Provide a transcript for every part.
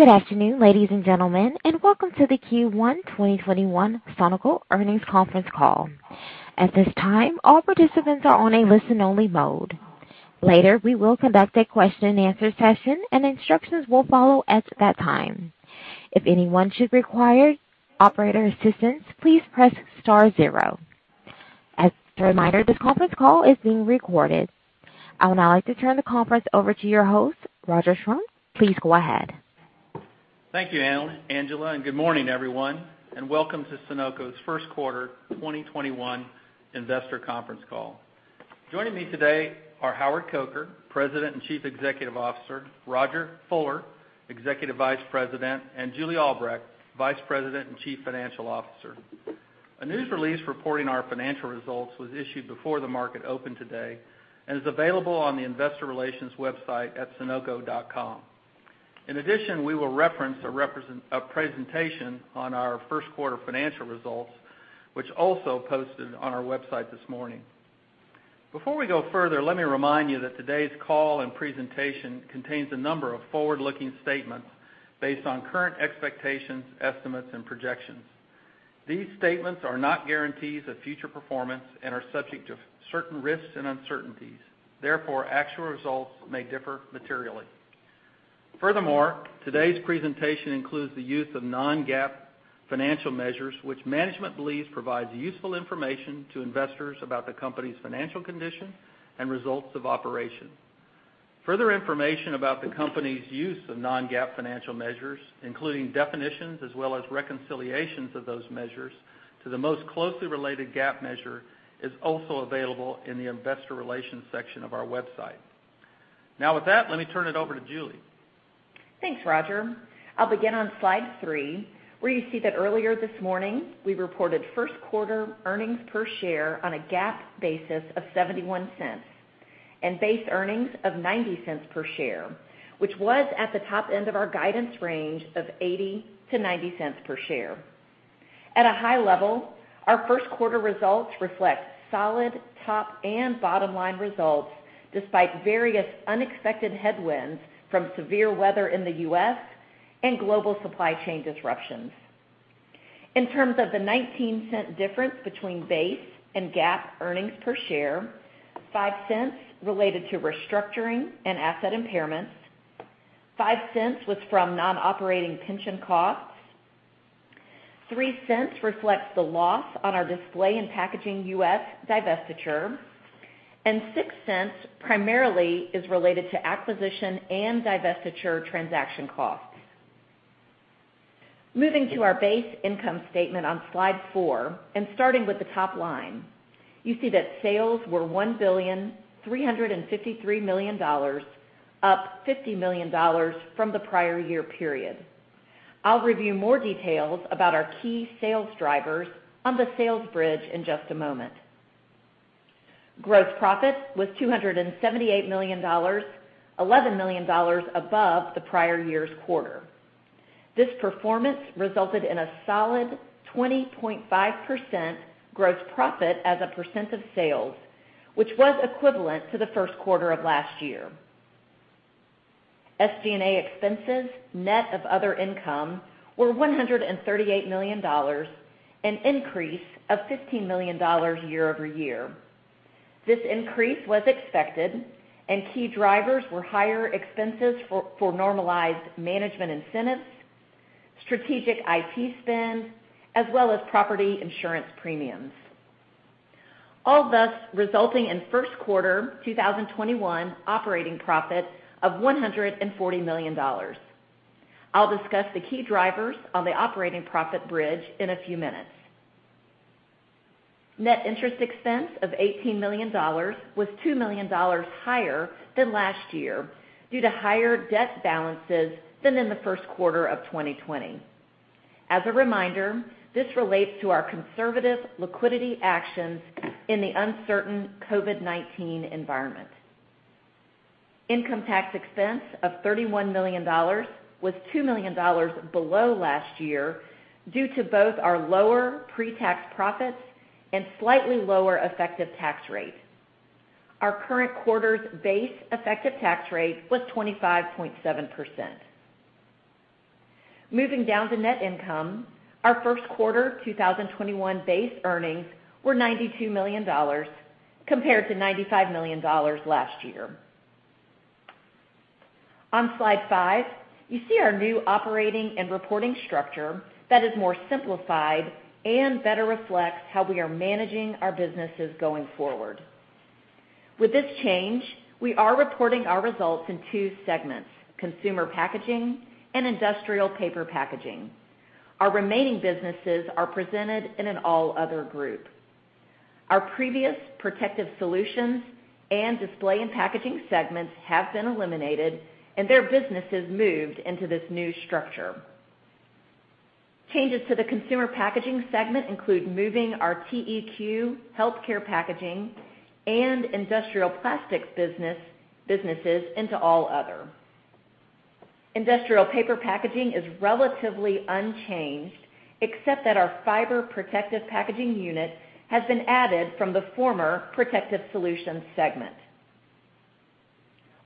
Good afternoon, ladies and gentlemen, and welcome to the Q1 2021 Sonoco Earnings Conference Call. At this time, all participants are on a listen-only mode. Later, we will conduct a question and answer session and instructions will follow at that time. If anyone should require operator assistance, please press star zero. As a reminder, this conference call is being recorded. I would now like to turn the conference over to your host, Roger Schrum. Please go ahead. Thank you, Angela, and good morning everyone, and welcome to Sonoco's first quarter 2021 investor conference call. Joining me today are Howard Coker, President and Chief Executive Officer, Rodger Fuller, Executive Vice President, and Julie Albrecht, Vice President and Chief Financial Officer. A news release reporting our financial results was issued before the market opened today and is available on the investor relations website at sonoco.com. In addition, we will reference a presentation on our first quarter financial results, which also posted on our website this morning. Before we go further, let me remind you that today's call and presentation contains a number of forward-looking statements based on current expectations, estimates, and projections. These statements are not guarantees of future performance and are subject to certain risks and uncertainties. Therefore, actual results may differ materially. Today's presentation includes the use of non-GAAP financial measures, which management believes provides useful information to investors about the company's financial condition and results of operation. Further information about the company's use of non-GAAP financial measures, including definitions as well as reconciliations of those measures to the most closely related GAAP measure, is also available in the investor relations section of our website. With that, let me turn it over to Julie. Thanks, Roger. I'll begin on slide three, where you see that earlier this morning, we reported first quarter earnings per share on a GAAP basis of $0.71 and base earnings of $0.90 per share, which was at the top end of our guidance range of $0.80-$0.90 per share. At a high level, our first quarter results reflect solid top and bottom-line results, despite various unexpected headwinds from severe weather in the U.S. and global supply chain disruptions. In terms of the $0.19 difference between base and GAAP earnings per share, $0.05 related to restructuring and asset impairments, $0.05 was from non-operating pension costs, $0.03 reflects the loss on our Display and Packaging U.S. divestiture, $0.06 primarily is related to acquisition and divestiture transaction costs. Moving to our base income statement on Slide four and starting with the top line, you see that sales were $1,353,000,000, up $50 million from the prior year period. I'll review more details about our key sales drivers on the sales bridge in just a moment. Gross profit was $278 million, $11 million above the prior year's quarter. This performance resulted in a solid 20.5% gross profit as a percent of sales, which was equivalent to the first quarter of last year. SG&A expenses, net of other income, were $138 million, an increase of $15 million year-over-year. This increase was expected and key drivers were higher expenses for normalized management incentives, strategic IT spend, as well as property insurance premiums. All thus resulting in first quarter 2021 operating profit of $140 million. I'll discuss the key drivers on the operating profit bridge in a few minutes. Net interest expense of $18 million was $2 million higher than last year due to higher debt balances than in the first quarter of 2020. As a reminder, this relates to our conservative liquidity actions in the uncertain COVID-19 environment. Income tax expense of $31 million was $2 million below last year due to both our lower pre-tax profits and slightly lower effective tax rate. Our current quarter's base effective tax rate was 25.7%. Moving down to net income, our first quarter 2021 base earnings were $92 million compared to $95 million last year. On Slide five, you see our new operating and reporting structure that is more simplified and better reflects how we are managing our businesses going forward. With this change, we are reporting our results in two segments, Consumer Packaging and Industrial Paper Packaging. Our remaining businesses are presented in an all other group. Our previous Protective Solutions and Display and Packaging segments have been eliminated and their businesses moved into this new structure. Changes to the Consumer Packaging segment include moving our TEQ healthcare packaging and industrial plastics businesses into all other. Industrial Paper Packaging is relatively unchanged except that our fiber protective packaging unit has been added from the former Protective Solutions segment.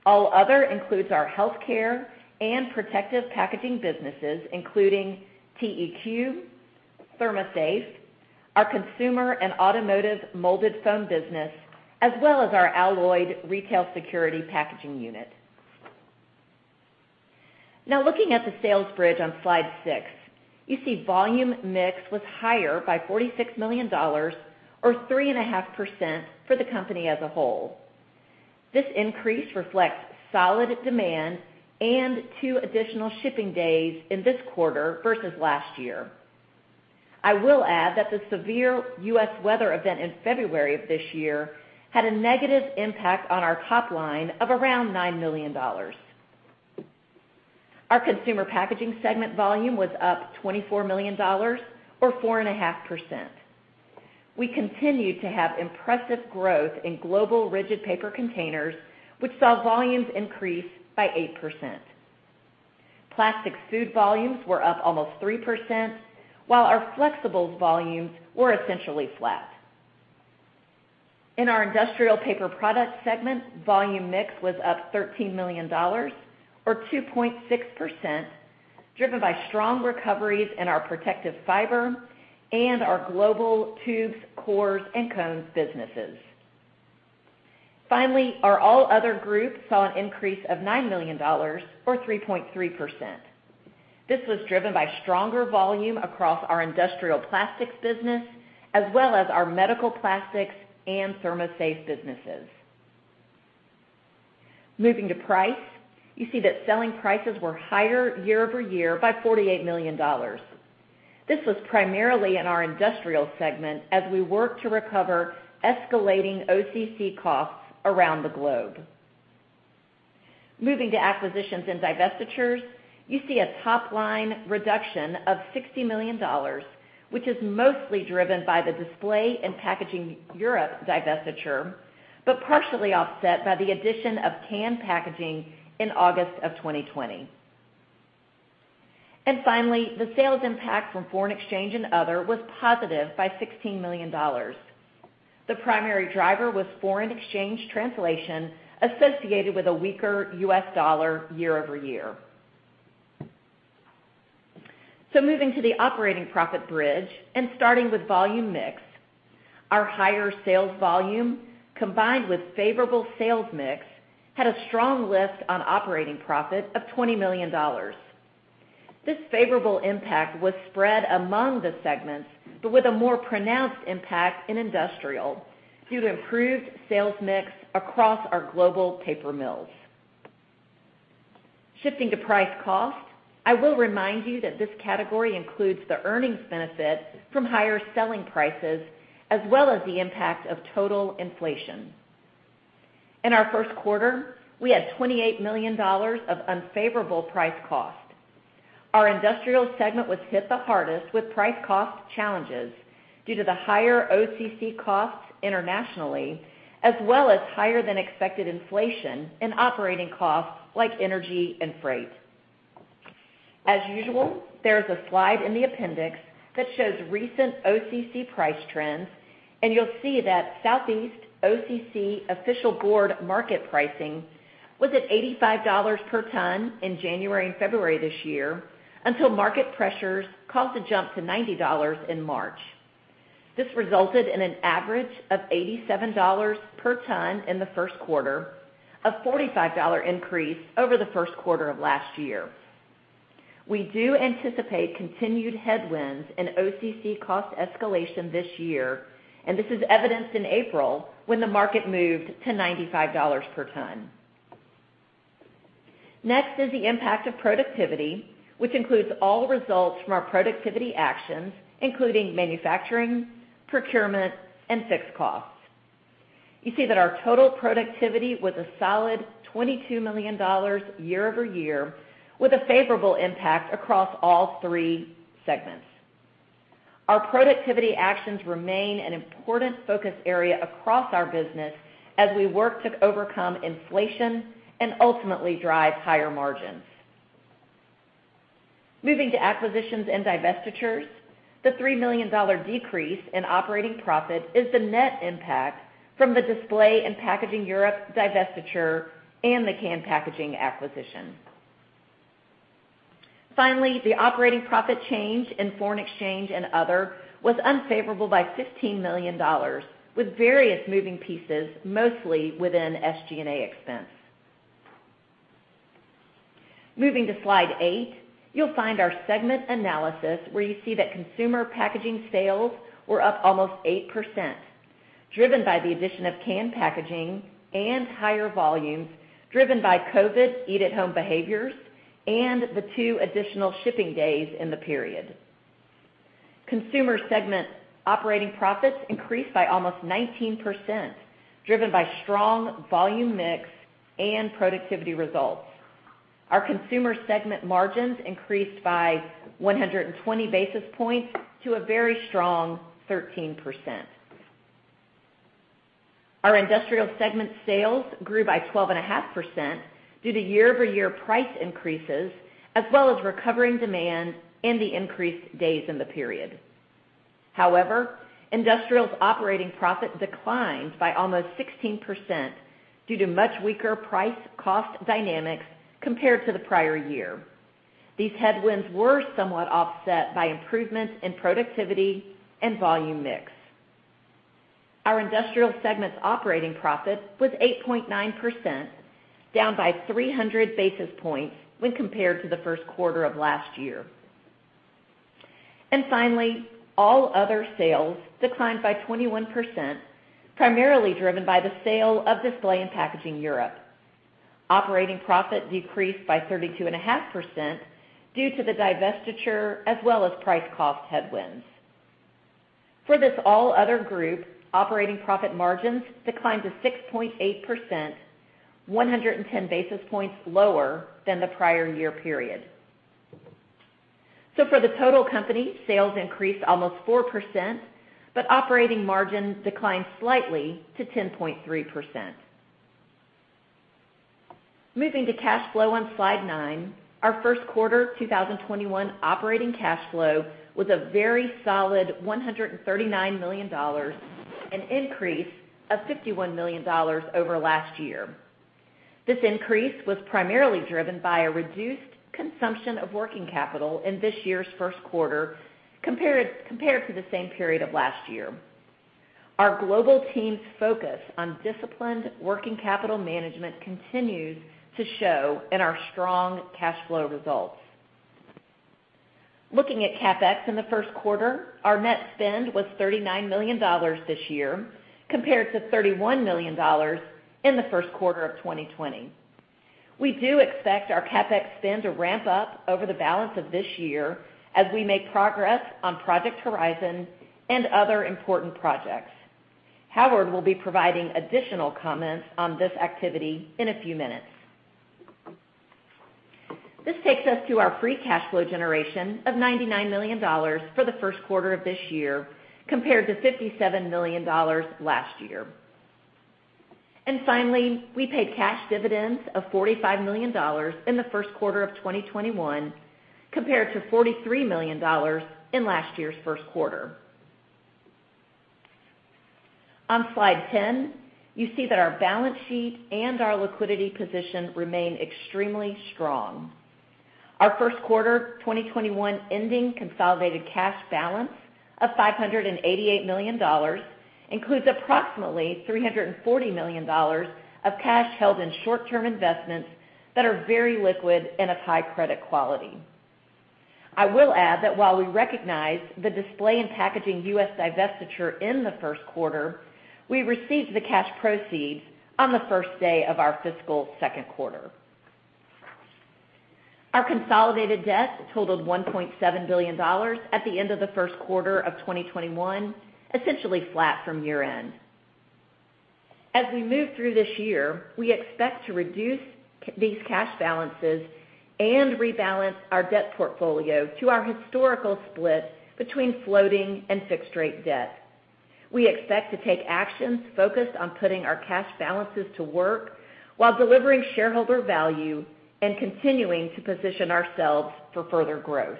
All other includes our healthcare and protective packaging businesses, including TEQ, ThermoSafe, our consumer and automotive molded foam business, as well as our Alloyd retail security packaging unit. Looking at the sales bridge on slide six, you see volume mix was higher by $46 million or 3.5% for the company as a whole. This increase reflects solid demand and two additional shipping days in this quarter versus last year. I will add that the severe U.S. weather event in February of this year had a negative impact on our top line of $9 million. Our Consumer Packaging segment volume was up $24 million or 4.5%. We continued to have impressive growth in global rigid paper containers, which saw volumes increase by 8%. Plastic food volumes were up almost 3%, while our flexibles volumes were essentially flat. In our Industrial Paper Packaging segment, volume mix was up $13 million or 2.6%, driven by strong recoveries in our protective fiber and our global tubes, cores, and cones businesses. Our all other group saw an increase of $9 million or 3.3%. This was driven by stronger volume across our industrial plastics business as well as our medical plastics and ThermoSafe businesses. Moving to price, you see that selling prices were higher year-over-year by $48 million. This was primarily in our Industrial segment as we work to recover escalating OCC costs around the globe. To acquisitions and divestitures, you see a top-line reduction of $60 million, which is mostly driven by the Display and Packaging Europe divestiture, but partially offset by the addition of Can Packaging in August 2020. Finally, the sales impact from foreign exchange and other was positive by $16 million. The primary driver was foreign exchange translation associated with a weaker U.S. dollar year-over-year. Moving to the operating profit bridge and starting with volume mix, our higher sales volume combined with favorable sales mix had a strong lift on operating profit of $20 million. This favorable impact was spread among the segments, but with a more pronounced impact in Industrial due to improved sales mix across our global paper mills. Shifting to price cost, I will remind you that this category includes the earnings benefit from higher selling prices as well as the impact of total inflation. In our first quarter, we had $28 million of unfavorable price cost. Our Industrial segment was hit the hardest with price cost challenges due to the higher OCC costs internationally as well as higher than expected inflation and operating costs like energy and freight. As usual, there is a slide in the appendix that shows recent OCC price trends and you'll see that Southeast OCC official board market pricing was at $85 per ton in January and February this year until market pressures caused a jump to $90 in March. This resulted in an average of $87 per ton in the first quarter, a $45 increase over the first quarter of last year. We do anticipate continued headwinds in OCC cost escalation this year and this is evidenced in April when the market moved to $95 per ton. Next is the impact of productivity, which includes all results from our productivity actions including manufacturing, procurement, and fixed costs. You see that our total productivity was a solid $22 million year-over-year with a favorable impact across all three segments. Our productivity actions remain an important focus area across our business as we work to overcome inflation and ultimately drive higher margins. Moving to acquisitions and divestitures, the $3 million decrease in operating profit is the net impact from the Display and Packaging Europe divestiture and the Can Packaging acquisition. Finally, the operating profit change in foreign exchange and other was unfavorable by $15 million with various moving pieces mostly within SG&A expense. Moving to slide eight, you'll find our segment analysis where you see that Consumer Packaging sales were up almost 8%, driven by the addition of Can Packaging and higher volumes driven by COVID eat-at-home behaviors and the two additional shipping days in the period. Consumer segment operating profits increased by almost 19%, driven by strong volume mix and productivity results. Our Consumer segment margins increased by 120 basis points to a very strong 13%. Our Industrial segment sales grew by 12.5% due to year-over-year price increases as well as recovering demand and the increased days in the period. However, Industrial's operating profit declined by almost 16% due to much weaker price cost dynamics compared to the prior year. These headwinds were somewhat offset by improvements in productivity and volume mix. Our Industrial segment's operating profit was 8.9%, down by 300 basis points when compared to the first quarter of last year. All other sales declined by 21%, primarily driven by the sale of Display & Packaging Europe. Operating profit decreased by 32.5% due to the divestiture as well as price cost headwinds. For this all other group, operating profit margins declined to 6.8%, 110 basis points lower than the prior year period. For the total company, sales increased almost 4%, but operating margins declined slightly to 10.3%. Moving to cash flow on slide nine, our first quarter 2021 operating cash flow was a very solid $139 million, an increase of $51 million over last year. This increase was primarily driven by a reduced consumption of working capital in this year's first quarter, compared to the same period of last year. Our global team's focus on disciplined working capital management continues to show in our strong cash flow results. Looking at CapEx in the first quarter, our net spend was $39 million this year, compared to $31 million in the first quarter of 2020. We do expect our CapEx spend to ramp up over the balance of this year as we make progress on Project Horizon and other important projects. Howard will be providing additional comments on this activity in a few minutes. This takes us to our free cash flow generation of $99 million for the first quarter of this year, compared to $57 million last year. Finally, we paid cash dividends of $45 million in the first quarter of 2021, compared to $43 million in last year's first quarter. On slide 10, you see that our balance sheet and our liquidity position remain extremely strong. Our first quarter 2021 ending consolidated cash balance of $588 million includes approximately $340 million of cash held in short-term investments that are very liquid and of high credit quality. I will add that while we recognize the Display and Packaging U.S. divestiture in the first quarter, we received the cash proceeds on the first day of our fiscal second quarter. Our consolidated debt totaled $1.7 billion at the end of the first quarter of 2021, essentially flat from year-end. As we move through this year, we expect to reduce these cash balances and rebalance our debt portfolio to our historical split between floating and fixed-rate debt. We expect to take actions focused on putting our cash balances to work while delivering shareholder value and continuing to position ourselves for further growth.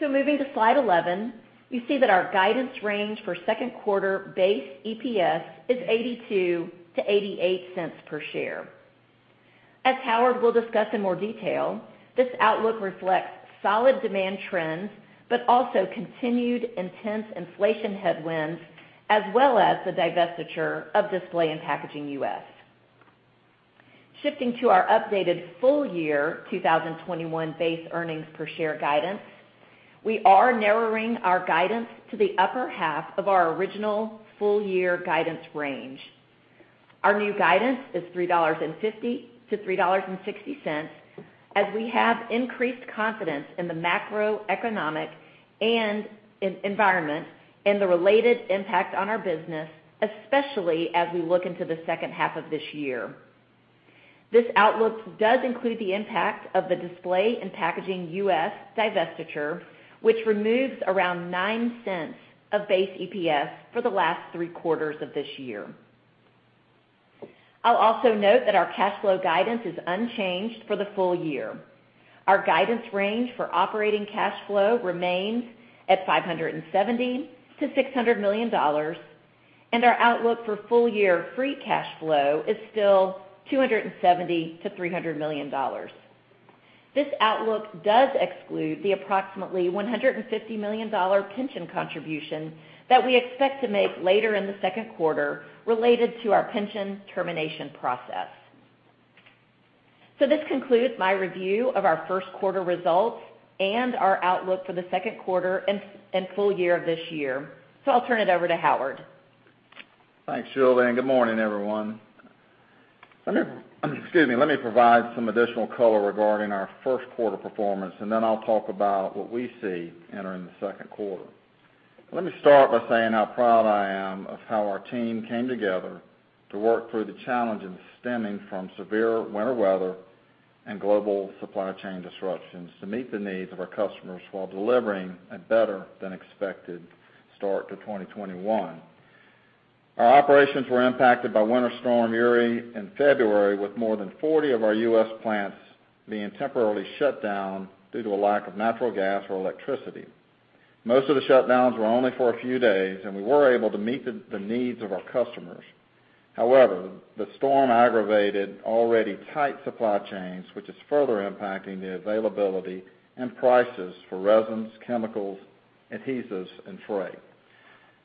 Moving to slide 11, you see that our guidance range for second quarter base EPS is $0.82-$0.88 per share. As Howard will discuss in more detail, this outlook reflects solid demand trends, but also continued intense inflation headwinds, as well as the divestiture of Display and Packaging U.S. Shifting to our updated full-year 2021 base earnings per share guidance, we are narrowing our guidance to the upper half of our original full-year guidance range. Our new guidance is $3.50-$3.60, as we have increased confidence in the macroeconomic and environment and the related impact on our business, especially as we look into the second half of this year. This outlook does include the impact of the Display and Packaging U.S. divestiture, which removes around $0.09 of base EPS for the last three quarters of this year. I'll also note that our cash flow guidance is unchanged for the full year. Our guidance range for operating cash flow remains at $570 million-$600 million, and our outlook for full-year free cash flow is still $270 million-$300 million. This outlook does exclude the approximately $150 million pension contribution that we expect to make later in the second quarter related to our pension termination process. This concludes my review of our first quarter results and our outlook for the second quarter and full year of this year. I'll turn it over to Howard. Thanks, Julie. Good morning, everyone. Let me provide some additional color regarding our first quarter performance, and then I'll talk about what we see entering the second quarter. Let me start by saying how proud I am of how our team came together to work through the challenges stemming from severe winter weather and global supply chain disruptions to meet the needs of our customers while delivering a better than expected start to 2021. Our operations were impacted by Winter Storm Uri in February, with more than 40 of our U.S. plants being temporarily shut down due to a lack of natural gas or electricity. Most of the shutdowns were only for a few days, and we were able to meet the needs of our customers. However, the storm aggravated already tight supply chains, which is further impacting the availability and prices for resins, chemicals, adhesives, and freight.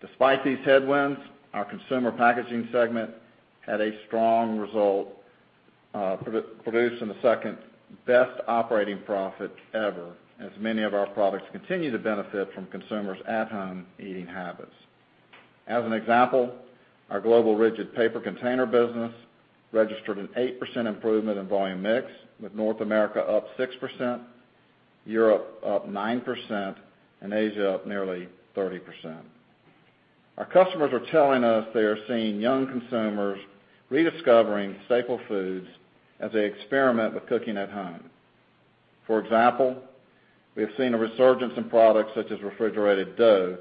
Despite these headwinds, our Consumer Packaging segment had a strong result, producing the second-best operating profit ever, as many of our products continue to benefit from consumers' at-home eating habits. As an example, our global rigid paper container business registered an 8% improvement in volume mix, with North America up 6%, Europe up 9%, and Asia up nearly 30%. Our customers are telling us they are seeing young consumers rediscovering staple foods as they experiment with cooking at home. For example, we have seen a resurgence in products such as refrigerated dough,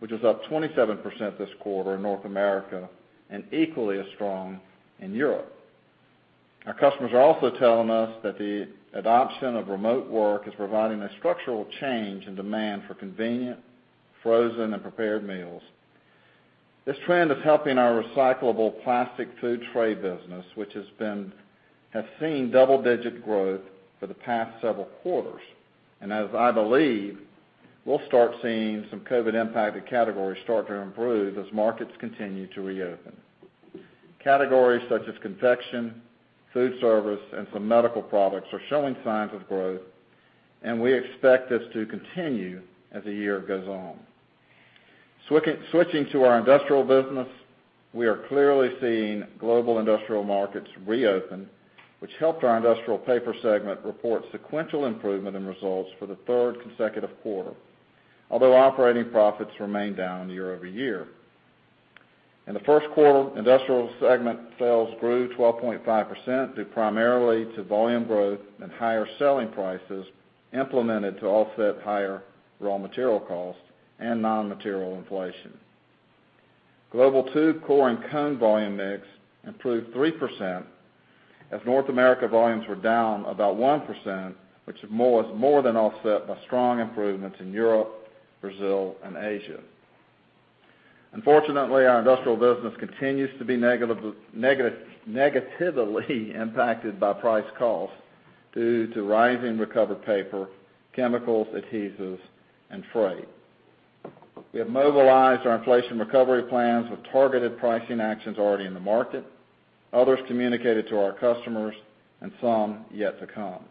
which is up 27% this quarter in North America and equally as strong in Europe. Our customers are also telling us that the adoption of remote work is providing a structural change in demand for convenient frozen and prepared meals. This trend is helping our recyclable plastic food tray business, which has seen double-digit growth for the past several quarters and as, I believe, we'll start seeing some COVID-impacted categories start to improve as markets continue to reopen. Categories such as confection, food service, and some medical products are showing signs of growth. We expect this to continue as the year goes on. Switching to our industrial business, we are clearly seeing global industrial markets reopen, which helped our Industrial Paper segment report sequential improvement in results for the third consecutive quarter, although operating profits remained down year-over-year. In the first quarter, Industrial segment sales grew 12.5%, due primarily to volume growth and higher selling prices implemented to offset higher raw material costs and non-material inflation. Global tube, core, and cone volume mix improved 3% as North America volumes were down about 1%, which was more than offset by strong improvements in Europe, Brazil, and Asia. Unfortunately, our industrial business continues to be negatively impacted by price cost due to rising recovered paper, chemicals, adhesives, and freight. We have mobilized our inflation recovery plans with targeted pricing actions already in the market, others communicated to our customers, and some yet to come.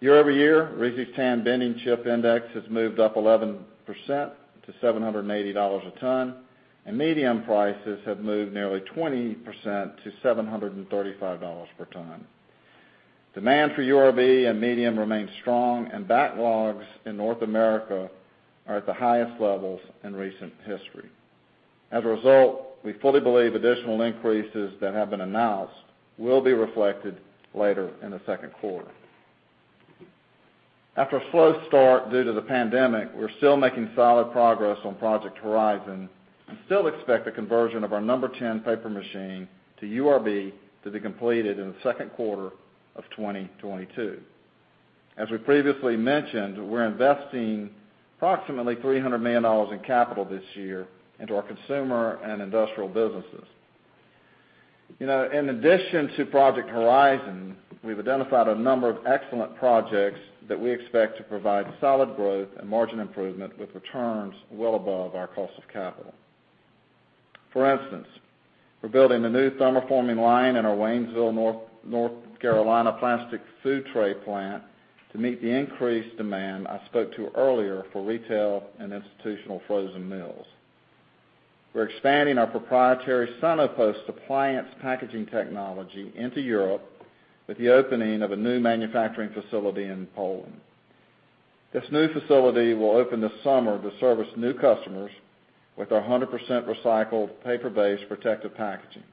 Year-over-year, RISI's tan bending chip index has moved up 11% to $780 a ton, and medium prices have moved nearly 20% to $735 per ton. Demand for URB and medium remains strong, and backlogs in North America are at the highest levels in recent history. As a result, we fully believe additional increases that have been announced will be reflected later in the second quarter. After a slow start due to the pandemic, we're still making solid progress on Project Horizon and still expect the conversion of our number 10 paper machine to URB to be completed in the second quarter of 2022. As we previously mentioned, we're investing approximately $300 million in capital this year into our consumer and industrial businesses. In addition to Project Horizon, we've identified a number of excellent projects that we expect to provide solid growth and margin improvement with returns well above our cost of capital. For instance, we're building a new thermoforming line in our Waynesville, North Carolina plastic food tray plant to meet the increased demand I spoke to earlier for retail and institutional frozen meals. We're expanding our proprietary Sonopost appliance packaging technology into Europe with the opening of a new manufacturing facility in Poland. This new facility will open this summer to service new customers with our 100% recycled paper-based protective packaging.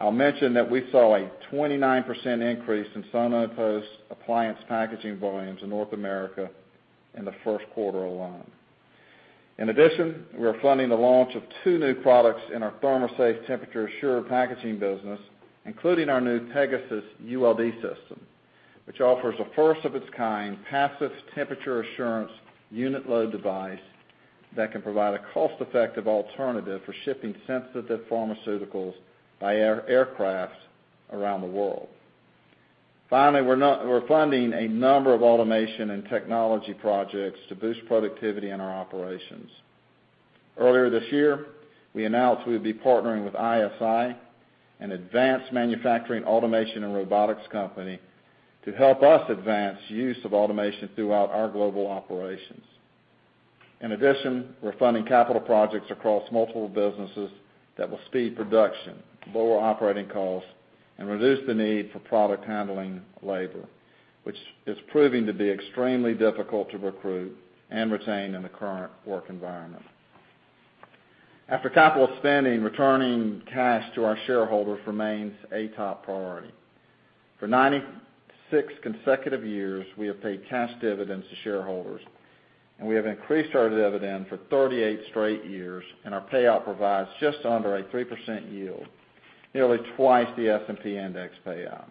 I'll mention that we saw a 29% increase in Sonopost appliance packaging volumes in North America in the first quarter alone. We are funding the launch of two new products in our ThermoSafe temperature-assured packaging business, including our new Pegasus ULD system, which offers a first-of-its-kind passive temperature assurance unit load device that can provide a cost-effective alternative for shipping sensitive pharmaceuticals by aircraft around the world. We're funding a number of automation and technology projects to boost productivity in our operations. Earlier this year, we announced we would be partnering with ISI, an advanced manufacturing automation and robotics company, to help us advance use of automation throughout our global operations. In addition, we're funding capital projects across multiple businesses that will speed production, lower operating costs, and reduce the need for product handling labor, which is proving to be extremely difficult to recruit and retain in the current work environment. After capital spending, returning cash to our shareholders remains a top priority. For 96 consecutive years, we have paid cash dividends to shareholders, and we have increased our dividend for 38 straight years, and our payout provides just under a 3% yield, nearly twice the S&P index payout.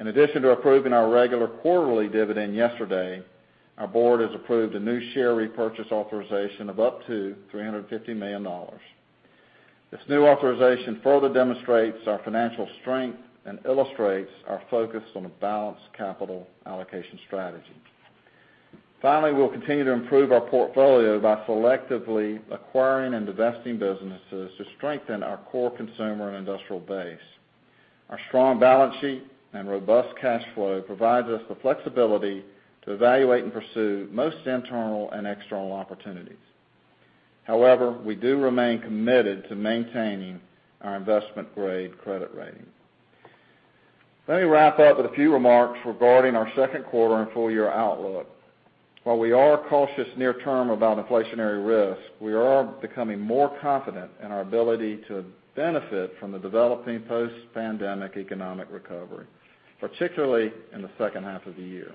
In addition to approving our regular quarterly dividend yesterday, our board has approved a new share repurchase authorization of up to $350 million. This new authorization further demonstrates our financial strength and illustrates our focus on a balanced capital allocation strategy. Finally, we'll continue to improve our portfolio by selectively acquiring and divesting businesses to strengthen our core consumer and industrial base. Our strong balance sheet and robust cash flow provides us the flexibility to evaluate and pursue most internal and external opportunities. However, we do remain committed to maintaining our investment-grade credit rating. Let me wrap up with a few remarks regarding our second quarter and full-year outlook. While we are cautious near term about inflationary risk, we are becoming more confident in our ability to benefit from the developing post-pandemic economic recovery, particularly in the second half of the year.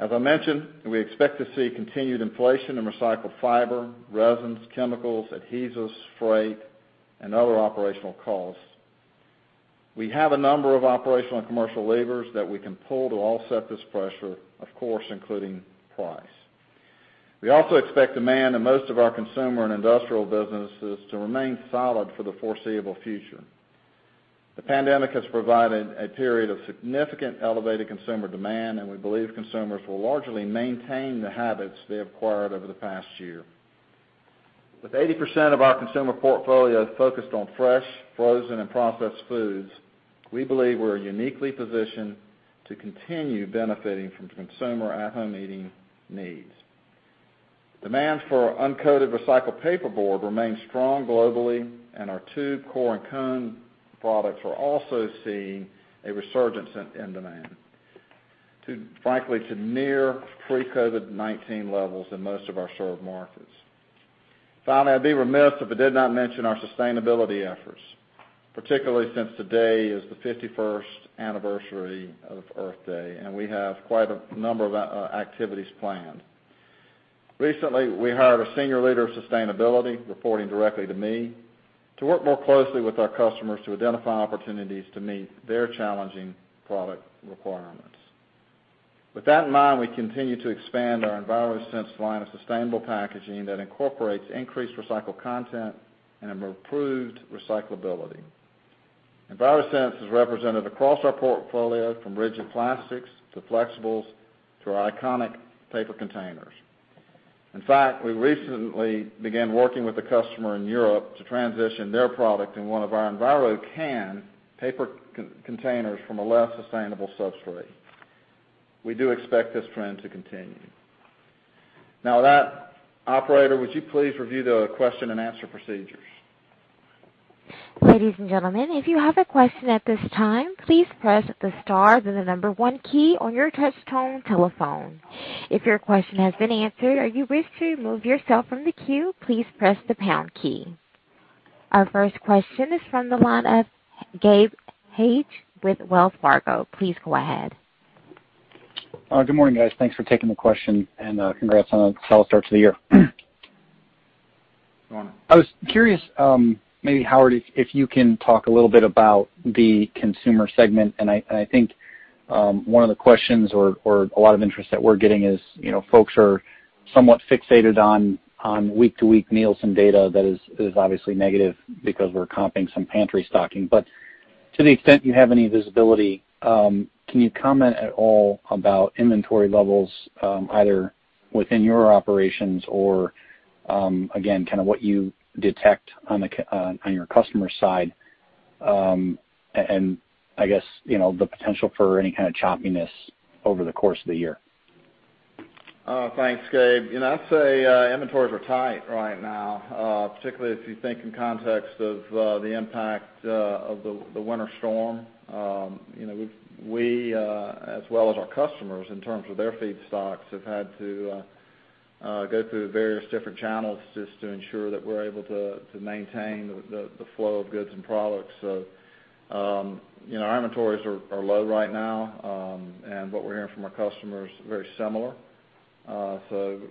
As I mentioned, we expect to see continued inflation in recycled fiber, resins, chemicals, adhesives, freight, and other operational costs. We have a number of operational and commercial levers that we can pull to offset this pressure, of course, including price. We also expect demand in most of our consumer and industrial businesses to remain solid for the foreseeable future. The pandemic has provided a period of significant elevated consumer demand, and we believe consumers will largely maintain the habits they acquired over the past year. With 80% of our consumer portfolio focused on fresh, frozen, and processed foods, we believe we're uniquely positioned to continue benefiting from consumer at-home eating needs. Demand for uncoated recycled paperboard remains strong globally, and our tube, core, and cone products are also seeing a resurgence in demand, frankly, to near pre-COVID-19 levels in most of our served markets. Finally, I'd be remiss if I did not mention our sustainability efforts, particularly since today is the 51st anniversary of Earth Day, and we have quite a number of activities planned. Recently, we hired a senior leader of sustainability, reporting directly to me, to work more closely with our customers to identify opportunities to meet their challenging product requirements. With that in mind, we continue to expand our EnviroSense line of sustainable packaging that incorporates increased recycled content and improved recyclability. EnviroSense is represented across our portfolio, from rigid plastics to flexibles to our iconic paper containers. In fact, we recently began working with a customer in Europe to transition their product in one of our EnviroCan paper containers from a less sustainable substrate. We do expect this trend to continue. Now with that, operator, would you please review the question and answer procedures? Ladies and gentlemen, if you have a question at this time, please press the star then the number one key on your touch-tone telephone. If your question has been answered or you wish to remove yourself from the queue, please press the pound key. Our first question is from the line of Gabe Hajde with Wells Fargo. Please go ahead. Good morning, guys. Thanks for taking the question, and congrats on a solid start to the year. Good morning. I was curious, maybe, Howard, if you can talk a little bit about the consumer segment, and I think one of the questions or a lot of interest that we're getting is folks are somewhat fixated on week-to-week Nielsen data that is obviously negative because we're comping some pantry stocking. To the extent you have any visibility, can you comment at all about inventory levels, either within your operations or, again, what you detect on your customer side, and I guess the potential for any kind of choppiness over the course of the year? Thanks, Gabe. I'd say inventories are tight right now, particularly if you think in context of the impact of the Winter Storm. We, as well as our customers, in terms of their feedstocks, have had to go through various different channels just to ensure that we're able to maintain the flow of goods and products. Our inventories are low right now, and what we're hearing from our customers, very similar.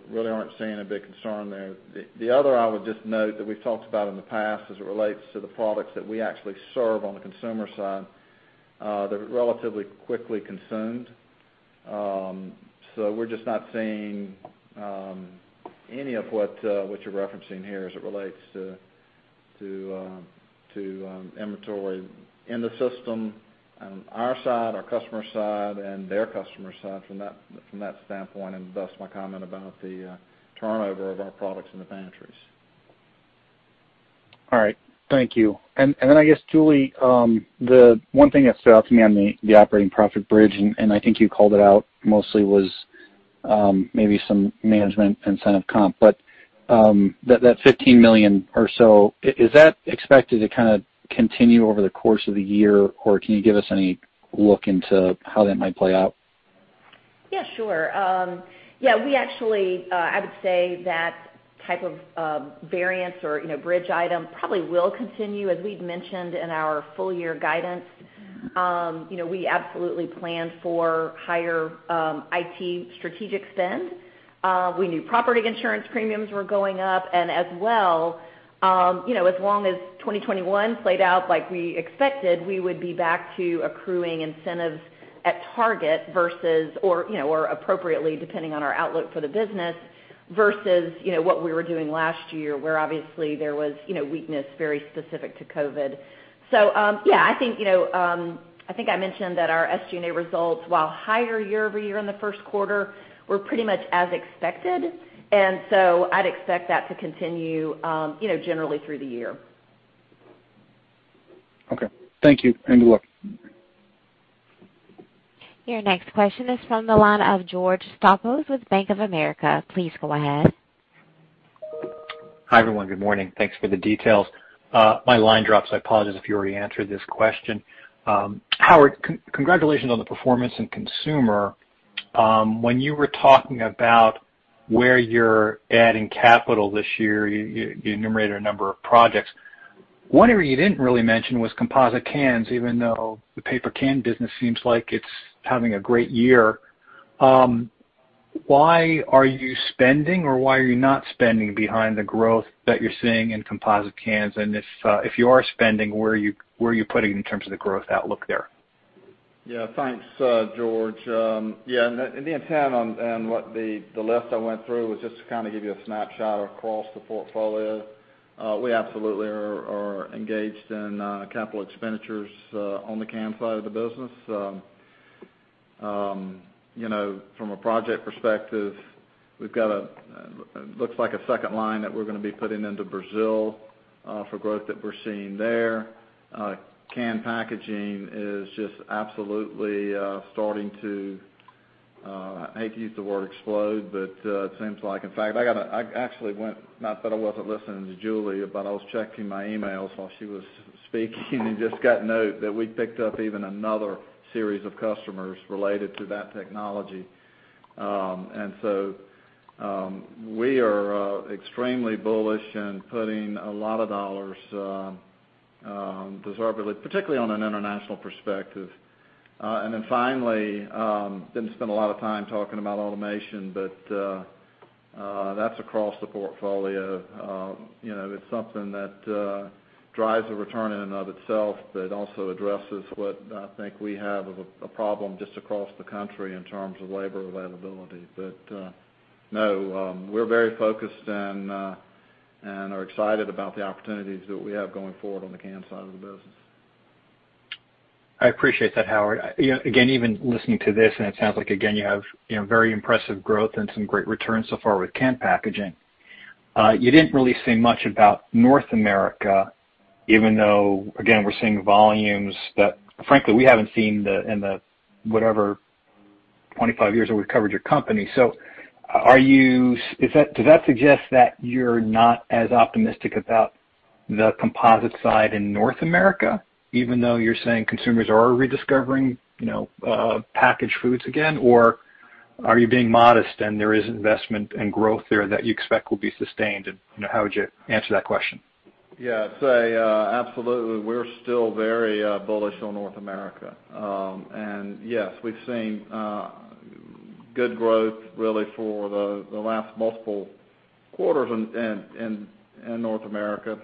Really aren't seeing a big concern there. The other, I would just note that we've talked about in the past as it relates to the products that we actually serve on the Consumer side, they're relatively quickly consumed. We're just not seeing any of what you're referencing here as it relates to inventory in the system on our side, our customer side, and their customer side from that standpoint, and thus my comment about the turnover of our products in the pantries. All right. Thank you. I guess, Julie, the one thing that stood out to me on the operating profit bridge, and I think you called it out mostly, was maybe some management incentive comp. That $15 million or so, is that expected to continue over the course of the year, or can you give us any look into how that might play out? Yeah, sure. Yeah, I would say that type of variance or bridge item probably will continue. As we'd mentioned in our full-year guidance, we absolutely planned for higher IT strategic spend. We knew property insurance premiums were going up, and as well, as long as 2021 played out like we expected, we would be back to accruing incentives at target versus, or appropriately depending on our outlook for the business, versus what we were doing last year where obviously there was weakness very specific to COVID-19. Yeah, I think I mentioned that our SG&A results, while higher year-over-year in the first quarter, were pretty much as expected. I'd expect that to continue generally through the year. Okay. Thank you, and good luck. Your next question is from the line of George Staphos with Bank of America. Please go ahead. Hi, everyone. Good morning. Thanks for the details. My line dropped. I apologize if you already answered this question. Howard, congratulations on the performance in Consumer. When you were talking about where you're adding capital this year, you enumerated a number of projects. One area you didn't really mention was composite cans, even though the paper can business seems like it's having a great year. Why are you spending, or why are you not spending behind the growth that you're seeing in composite cans? If you are spending, where are you putting in terms of the growth outlook there? Thanks, George Staphos. The intent on the list I went through was just to give you a snapshot across the portfolio. We absolutely are engaged in CapEx on the can side of the business. From a project perspective, we've got looks like a second line that we're going to be putting into Brazil for growth that we're seeing there. Can Packaging is just absolutely starting to, I hate to use the word explode, but it seems like. In fact, I actually went, not that I wasn't listening to Julie, but I was checking my emails while she was speaking and just got note that we picked up even another series of customers related to that technology. We are extremely bullish in putting a lot of dollars, deservedly, particularly on an international perspective. Finally, didn't spend a lot of time talking about automation, but that's across the portfolio. It's something that drives a return in and of itself, but also addresses what I think we have of a problem just across the country in terms of labor availability. No, we're very focused and are excited about the opportunities that we have going forward on the can side of the business. I appreciate that, Howard. Again, even listening to this, and it sounds like, again, you have very impressive growth and some great returns so far with Can Packaging. You didn't really say much about North America, even though, again, we're seeing volumes that frankly we haven't seen in the whatever, 25 years that we've covered your company. Does that suggest that you're not as optimistic about the composite side in North America, even though you're saying consumers are rediscovering packaged foods again? Are you being modest and there is investment and growth there that you expect will be sustained? How would you answer that question? Yeah, I'd say absolutely. We're still very bullish on North America. Yes, we've seen good growth really for the last multiple quarters in North America.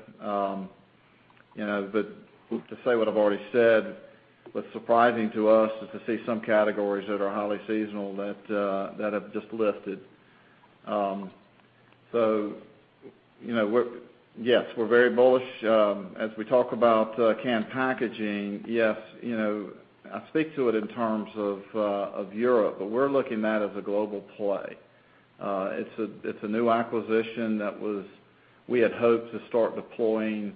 To say what I've already said, what's surprising to us is to see some categories that are highly seasonal that have just lifted. Yes, we're very bullish. As we talk about Can Packaging, yes, I speak to it in terms of Europe, but we're looking at that as a global play. It's a new acquisition that we had hoped to start deploying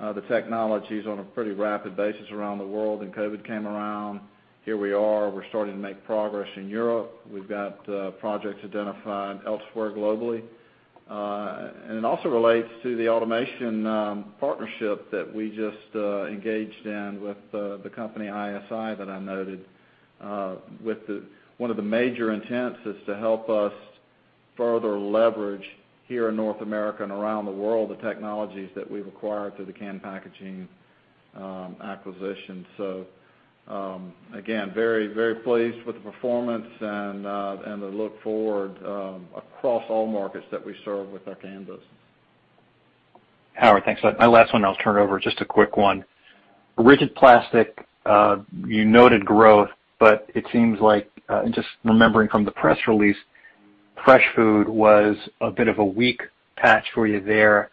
the technologies on a pretty rapid basis around the world, and COVID-19 came around. Here we are, we're starting to make progress in Europe. We've got projects identified elsewhere globally. It also relates to the automation partnership that we just engaged in with the company, ISI, that I noted. One of the major intents is to help us further leverage here in North America and around the world the technologies that we've acquired through the Can Packaging acquisition. Again, very pleased with the performance and the look forward across all markets that we serve with our can business. Howard, thanks. My last one and I'll turn it over. Just a quick one. Rigid plastic, you noted growth, but it seems like, just remembering from the press release, fresh food was a bit of a weak patch for you there.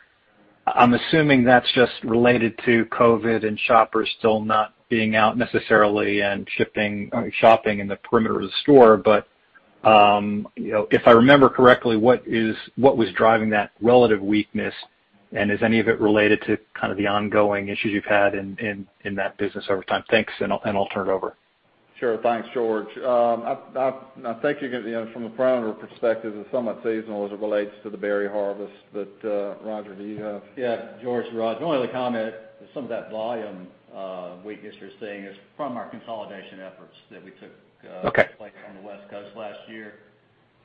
I'm assuming that's just related to COVID and shoppers still not being out necessarily and shopping in the perimeter of the store. If I remember correctly, what was driving that relative weakness, and is any of it related to kind of the on going issues you've had in that business over time? Thanks, and I'll turn it over. Sure. Thanks, George. I think from a perimeter perspective, it's somewhat seasonal as it relates to the berry harvest. Rodger, do you have? Yeah, George, Roger. Only other comment is some of that volume weakness you're seeing is from our consolidation efforts. Okay Place on the West Coast last year.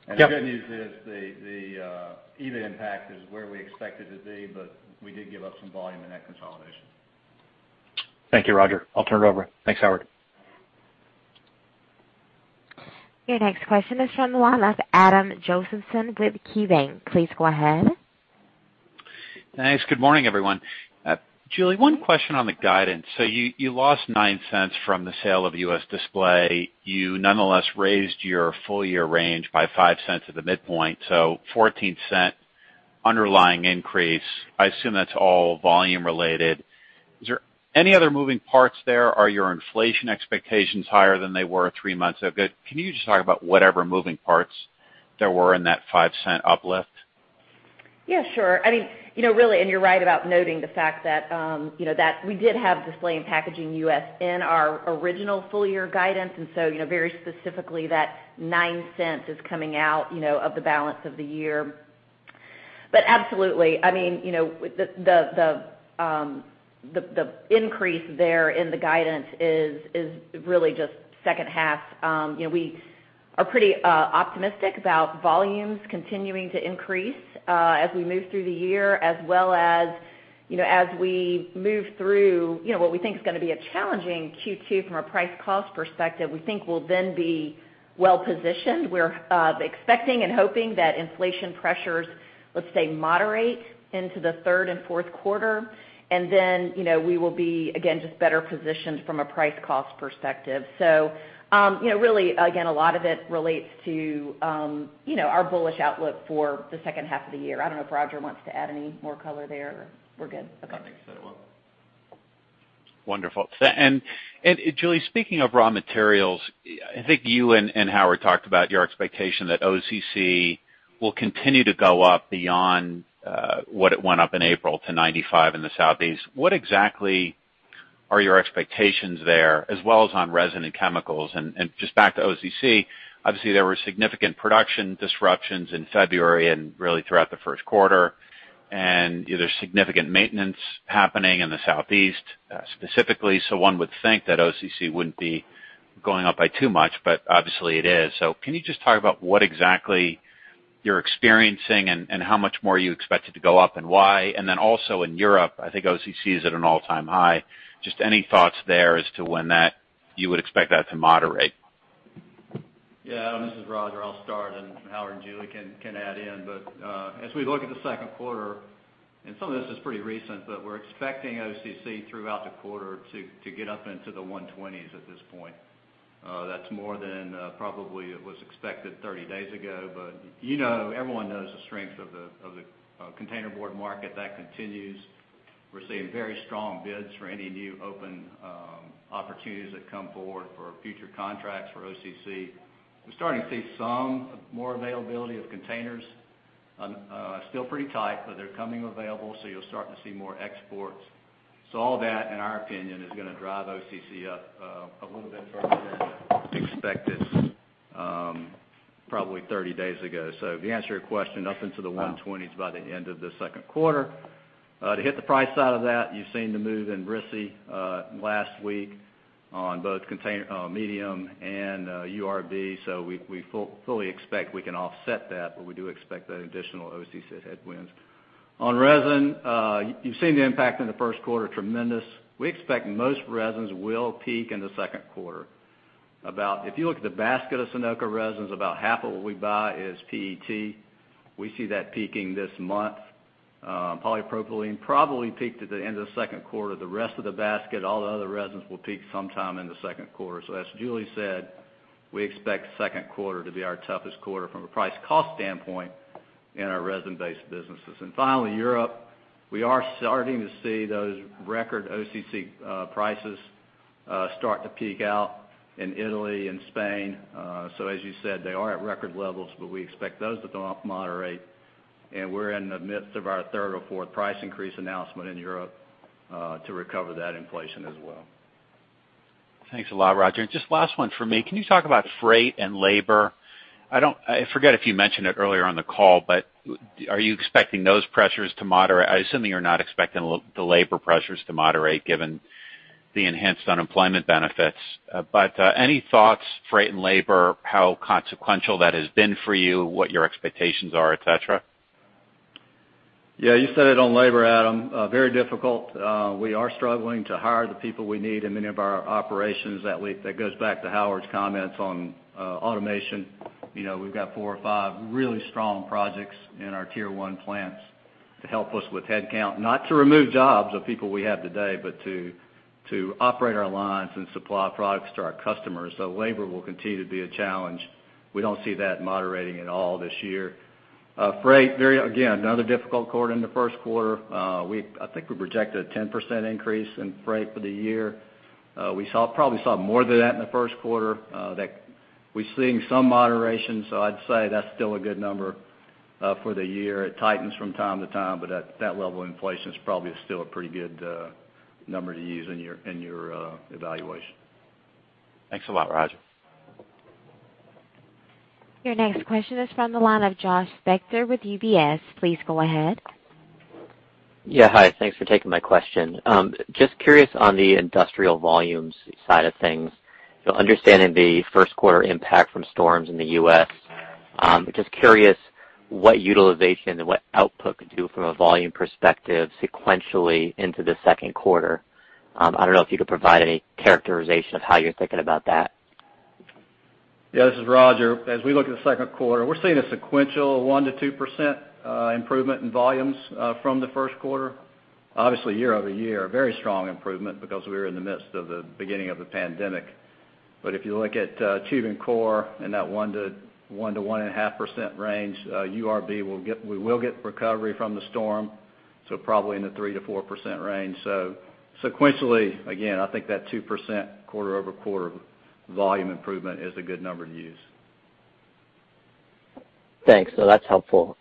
The good news is the EBITDA impact is where we expect it to be, but we did give up some volume in that consolidation. Thank you, Rodger. I'll turn it over. Thanks, Howard. Your next question is from the line of Adam Josephson with KeyBank. Please go ahead. Thanks. Good morning, everyone. Julie, one question on the guidance. You lost $0.09 from the sale of U.S. Display. You nonetheless raised your full-year range by $0.05 at the midpoint, $0.14 underlying increase. I assume that's all volume related. Is there any other moving parts there? Are your inflation expectations higher than they were three months ago? Can you just talk about whatever moving parts there were in that $0.05 uplift? Yeah, sure. You're right about noting the fact that we did have Display and Packaging U.S. in our original full-year guidance. Very specifically, that $0.09 is coming out of the balance of the year. Absolutely, the increase there in the guidance is really just second half. We are pretty optimistic about volumes continuing to increase as we move through the year as well as we move through what we think is going to be a challenging Q2 from a price cost perspective, we think we'll then be well-positioned. We're expecting and hoping that inflation pressures, let's say, moderate into the third and fourth quarter. We will be, again, just better positioned from a price cost perspective. Really, again, a lot of it relates to our bullish outlook for the second half of the year. I don't know if Rodger wants to add any more color there or we're good? Okay. I think you said it well. Wonderful. Julie, speaking of raw materials, I think you and Howard talked about your expectation that OCC will continue to go up beyond what it went up in April to 95 in the Southeast. What exactly are your expectations there as well as on resin and chemicals? Just back to OCC, obviously there were significant production disruptions in February and really throughout the first quarter, and there's significant maintenance happening in the Southeast, specifically. One would think that OCC wouldn't be going up by too much, but obviously it is. Can you just talk about what exactly you're experiencing and how much more you expect it to go up, and why? Then also in Europe, I think OCC is at an all-time high. Just any thoughts there as to when you would expect that to moderate? Yeah. This is Rodger. I'll start, and Howard and Julie can add in. As we look at the second quarter, and some of this is pretty recent, we're expecting OCC throughout the quarter to get up into the 120s at this point. That's more than probably it was expected 30 days ago. Everyone knows the strength of the container board market. That continues. We're seeing very strong bids for any new open opportunities that come forward for future contracts for OCC. We're starting to see some more availability of containers. Still pretty tight, but they're coming available, so you'll start to see more exports. All that, in our opinion, is going to drive OCC up a little bit further than expected probably 30 days ago. To answer your question, up into the 120s by the end of the second quarter. To hit the price out of that, you've seen the move in RISI last week on both medium and URB. We fully expect we can offset that, but we do expect that additional OCC headwinds. On resin, you've seen the impact in the first quarter, tremendous. We expect most resins will peak in the second quarter. If you look at the basket of Sonoco resins, about half of what we buy is PET. We see that peaking this month. Polypropylene probably peaked at the end of the second quarter. The rest of the basket, all the other resins will peak sometime in the second quarter. As Julie said, we expect second quarter to be our toughest quarter from a price cost standpoint in our resin-based businesses. Finally, Europe. We are starting to see those record OCC prices start to peak out in Italy and Spain. As you said, they are at record levels, but we expect those to moderate. We're in the midst of our third or fourth price increase announcement in Europe to recover that inflation as well. Thanks a lot, Rodger. Just last one from me. Can you talk about freight and labor? I forget if you mentioned it earlier on the call, are you expecting those pressures to moderate? I assume that you're not expecting the labor pressures to moderate given the enhanced unemployment benefits. Any thoughts, freight and labor, how consequential that has been for you, what your expectations are, et cetera? You said it on labor, Adam. Very difficult. We are struggling to hire the people we need in many of our operations. That goes back to Howard's comments on automation. We've got four or five really strong projects in our tier one plants to help us with headcount, not to remove jobs of people we have today, but to operate our lines and supply products to our customers. Labor will continue to be a challenge. We don't see that moderating at all this year. Freight, again, another difficult quarter in the first quarter. I think we projected a 10% increase in freight for the year. We probably saw more than that in the first quarter. We're seeing some moderation, I'd say that's still a good number for the year. It tightens from time to time, but at that level, inflation is probably still a pretty good number to use in your evaluation. Thanks a lot, Rodger. Your next question is from the line of Josh Spector with UBS. Please go ahead. Yeah. Hi, thanks for taking my question. Just curious on the industrial volumes side of things. Understanding the first quarter impact from storms in the U.S., just curious what utilization and what output could do from a volume perspective sequentially into the second quarter. I don't know if you could provide any characterization of how you're thinking about that. Yeah, this is Rodger. We look at the second quarter, we're seeing a sequential 1%-2% improvement in volumes from the first quarter. Year-over-year, a very strong improvement because we were in the midst of the beginning of the pandemic. If you look at tube and core in that 1%-1.5% range, URB, we will get recovery from the storm, probably in the 3%-4% range. Sequentially, again, I think that 2% quarter-over-quarter volume improvement is a good number to use. Thanks. No, that's helpful.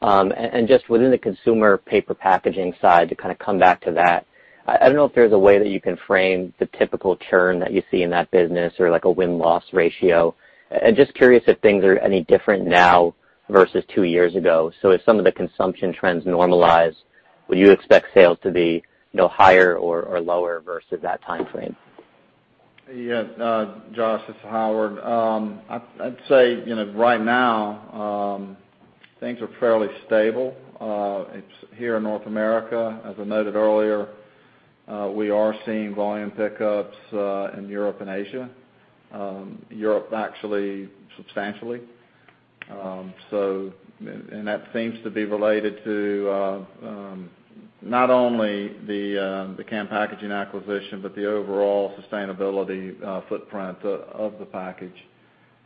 Just within the Consumer Packaging side, to kind of come back to that, I don't know if there's a way that you can frame the typical churn that you see in that business or like a win-loss ratio. I'm just curious if things are any different now versus two years ago. If some of the consumption trends normalize, would you expect sales to be higher or lower versus that timeframe? Yeah. Josh, this is Howard. I'd say, right now, things are fairly stable. It's here in North America. As I noted earlier, we are seeing volume pickups in Europe and Asia. Europe actually, substantially. That seems to be related to not only the Can Packaging acquisition, but the overall sustainability footprint of the package.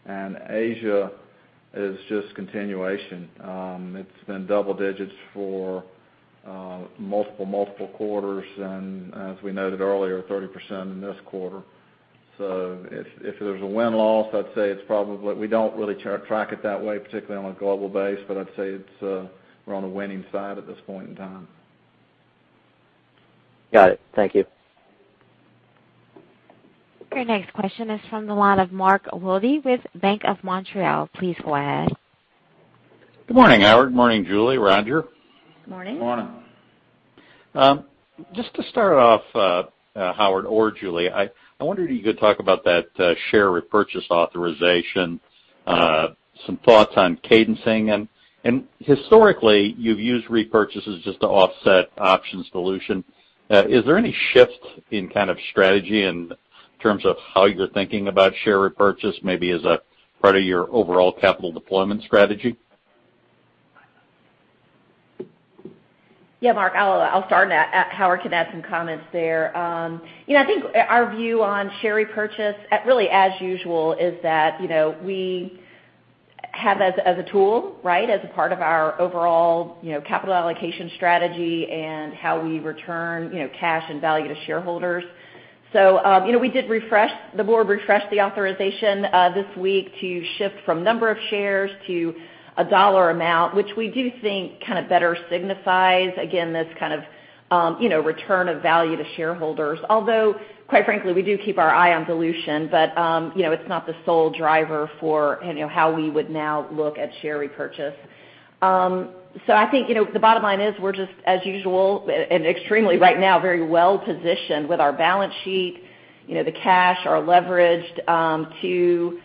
Asia is just continuation. It's been double digits for multiple quarters and, as we noted earlier, 30% in this quarter. If there's a win-loss, we don't really track it that way, particularly on a global base, but I'd say we're on the winning side at this point in time. Got it. Thank you. Your next question is from the line of Mark Wilde with Bank of Montreal. Please go ahead. Good morning, Howard. Morning, Julie, Rodger. Morning. Morning. Just to start off, Howard or Julie, I wondered if you could talk about that share repurchase authorization, some thoughts on cadencing. Historically, you've used repurchases just to offset option dilution. Is there any shift in kind of strategy in terms of how you're thinking about share repurchase, maybe as a part of your overall capital deployment strategy? Yeah, Mark, I'll start, and Howard can add some comments there. I think our view on share repurchase, really as usual, is that we have as a tool, as a part of our overall capital allocation strategy and how we return cash and value to shareholders. The board refreshed the authorization this week to shift from number of shares to a dollar amount, which we do think kind of better signifies, again, this kind of return of value to shareholders. Although, quite frankly, we do keep our eye on dilution, but it's not the sole driver for how we would now look at share repurchase. I think the bottom line is we're just as usual, and extremely right now, very well positioned with our balance sheet, the cash, our leverage to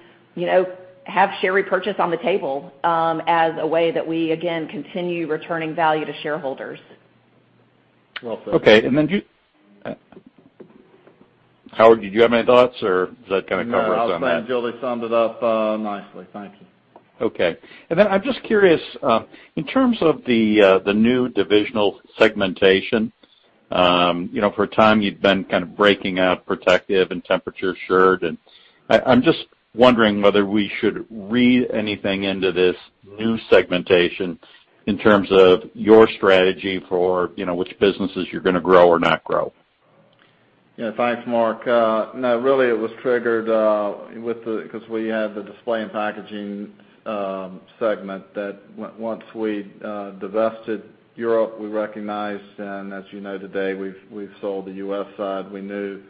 have share repurchase on the table as a way that we, again, continue returning value to shareholders. Well said. Okay. Howard, did you have any thoughts, or does that kind of cover it on that? No, I was saying Julie summed it up nicely. Thank you. Okay. I'm just curious, in terms of the new divisional segmentation. For a time you'd been kind of breaking out Protective and temperature assured, and I'm just wondering whether we should read anything into this new segmentation in terms of your strategy for which businesses you're going to grow or not grow. Yeah. Thanks, Mark. Really it was triggered because we had the Display and Packaging segment that once we divested Europe, we recognized, and as you know today, we've sold the U.S. side. We knew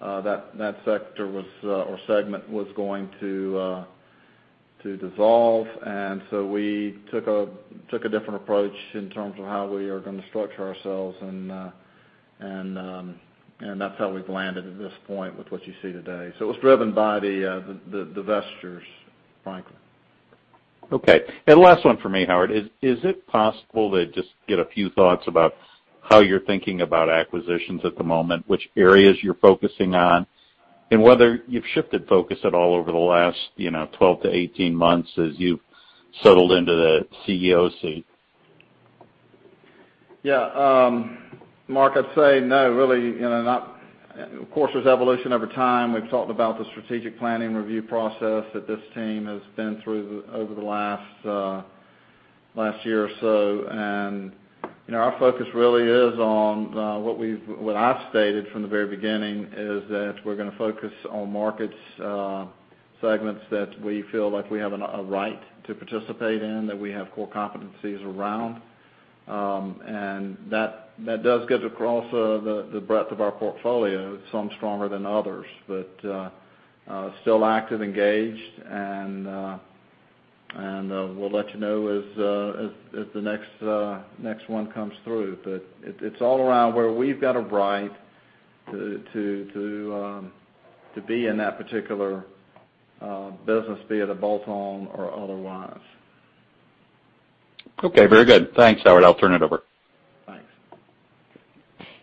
that sector or segment was going to dissolve. We took a different approach in terms of how we are going to structure ourselves, and that's how we've landed at this point with what you see today. It was driven by the divestitures, frankly. Okay. Last one for me, Howard. Is it possible to just get a few thoughts about how you're thinking about acquisitions at the moment, which areas you're focusing on, and whether you've shifted focus at all over the last 12-18 months as you've settled into the CEO seat? Yeah. Mark, I'd say no, really. Of course, there's evolution over time. We've talked about the strategic planning review process that this team has been through over the last year or so. Our focus really is on what I've stated from the very beginning, is that we're going to focus on market segments that we feel like we have a right to participate in, that we have core competencies around. That does cut across the breadth of our portfolio, some stronger than others. Still active, engaged, and we'll let you know as the next one comes through. It's all around where we've got a right to be in that particular business, be it a bolt-on or otherwise. Okay. Very good. Thanks, Howard. I'll turn it over. Thanks.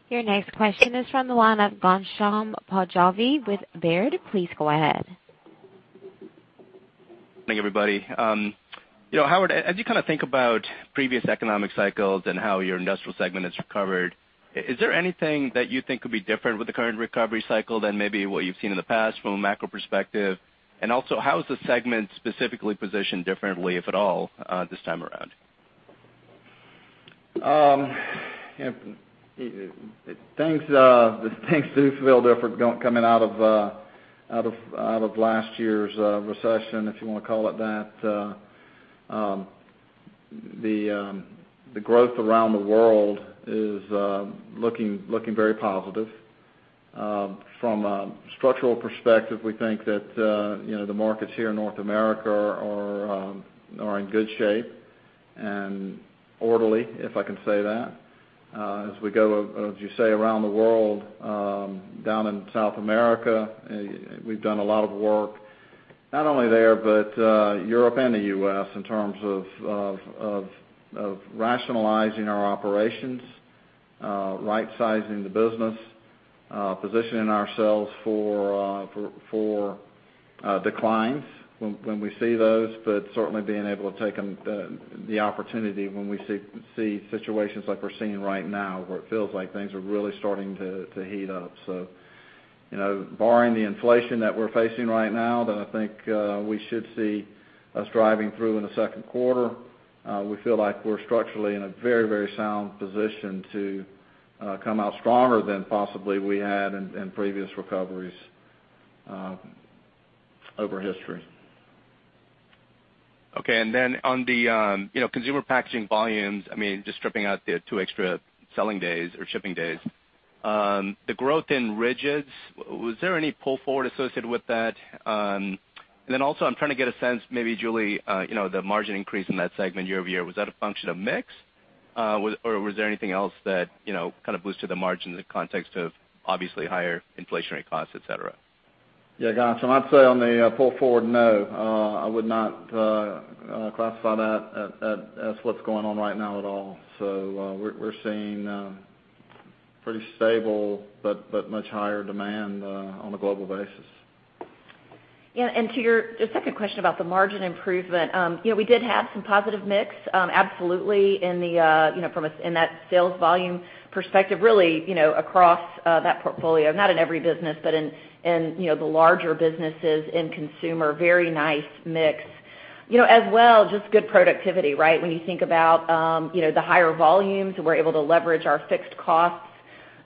Your next question is from the line of Ghansham Panjabi with Baird. Please go ahead. Thank you, everybody. Howard, as you think about previous economic cycles and how your Industrial segment has recovered, is there anything that you think could be different with the current recovery cycle than maybe what you've seen in the past from a macro perspective? Also, how is the segment specifically positioned differently, if at all, this time around? Thanks. This thing still feels different coming out of last year's recession, if you want to call it that. The growth around the world is looking very positive. From a structural perspective, we think that the markets here in North America are in good shape and orderly, if I can say that. As you say, around the world, down in South America, we've done a lot of work not only there, but Europe and the U.S. in terms of rationalizing our operations, rightsizing the business, positioning ourselves for declines when we see those. Certainly being able to take the opportunity when we see situations like we're seeing right now, where it feels like things are really starting to heat up. Barring the inflation that we're facing right now, that I think we should see us driving through in the second quarter. We feel like we're structurally in a very sound position to come out stronger than possibly we had in previous recoveries over history. Okay, on the Consumer Packaging volumes, just stripping out the two extra selling days or shipping days. The growth in rigids, was there any pull forward associated with that? Also, I'm trying to get a sense, maybe Julie, the margin increase in that segment year-over-year. Was that a function of mix, or was there anything else that kind of boosted the margin in the context of obviously higher inflationary costs, et cetera? Yeah, Ghansham, I'd say on the pull forward, no. I would not classify that as what's going on right now at all. We're seeing pretty stable but much higher demand on a global basis. Yeah, to your second question about the margin improvement. We did have some positive mix absolutely in that sales volume perspective, really, across that portfolio. Not in every business, but in the larger businesses in Consumer, very nice mix. Just good productivity, right? When you think about the higher volumes, we are able to leverage our fixed costs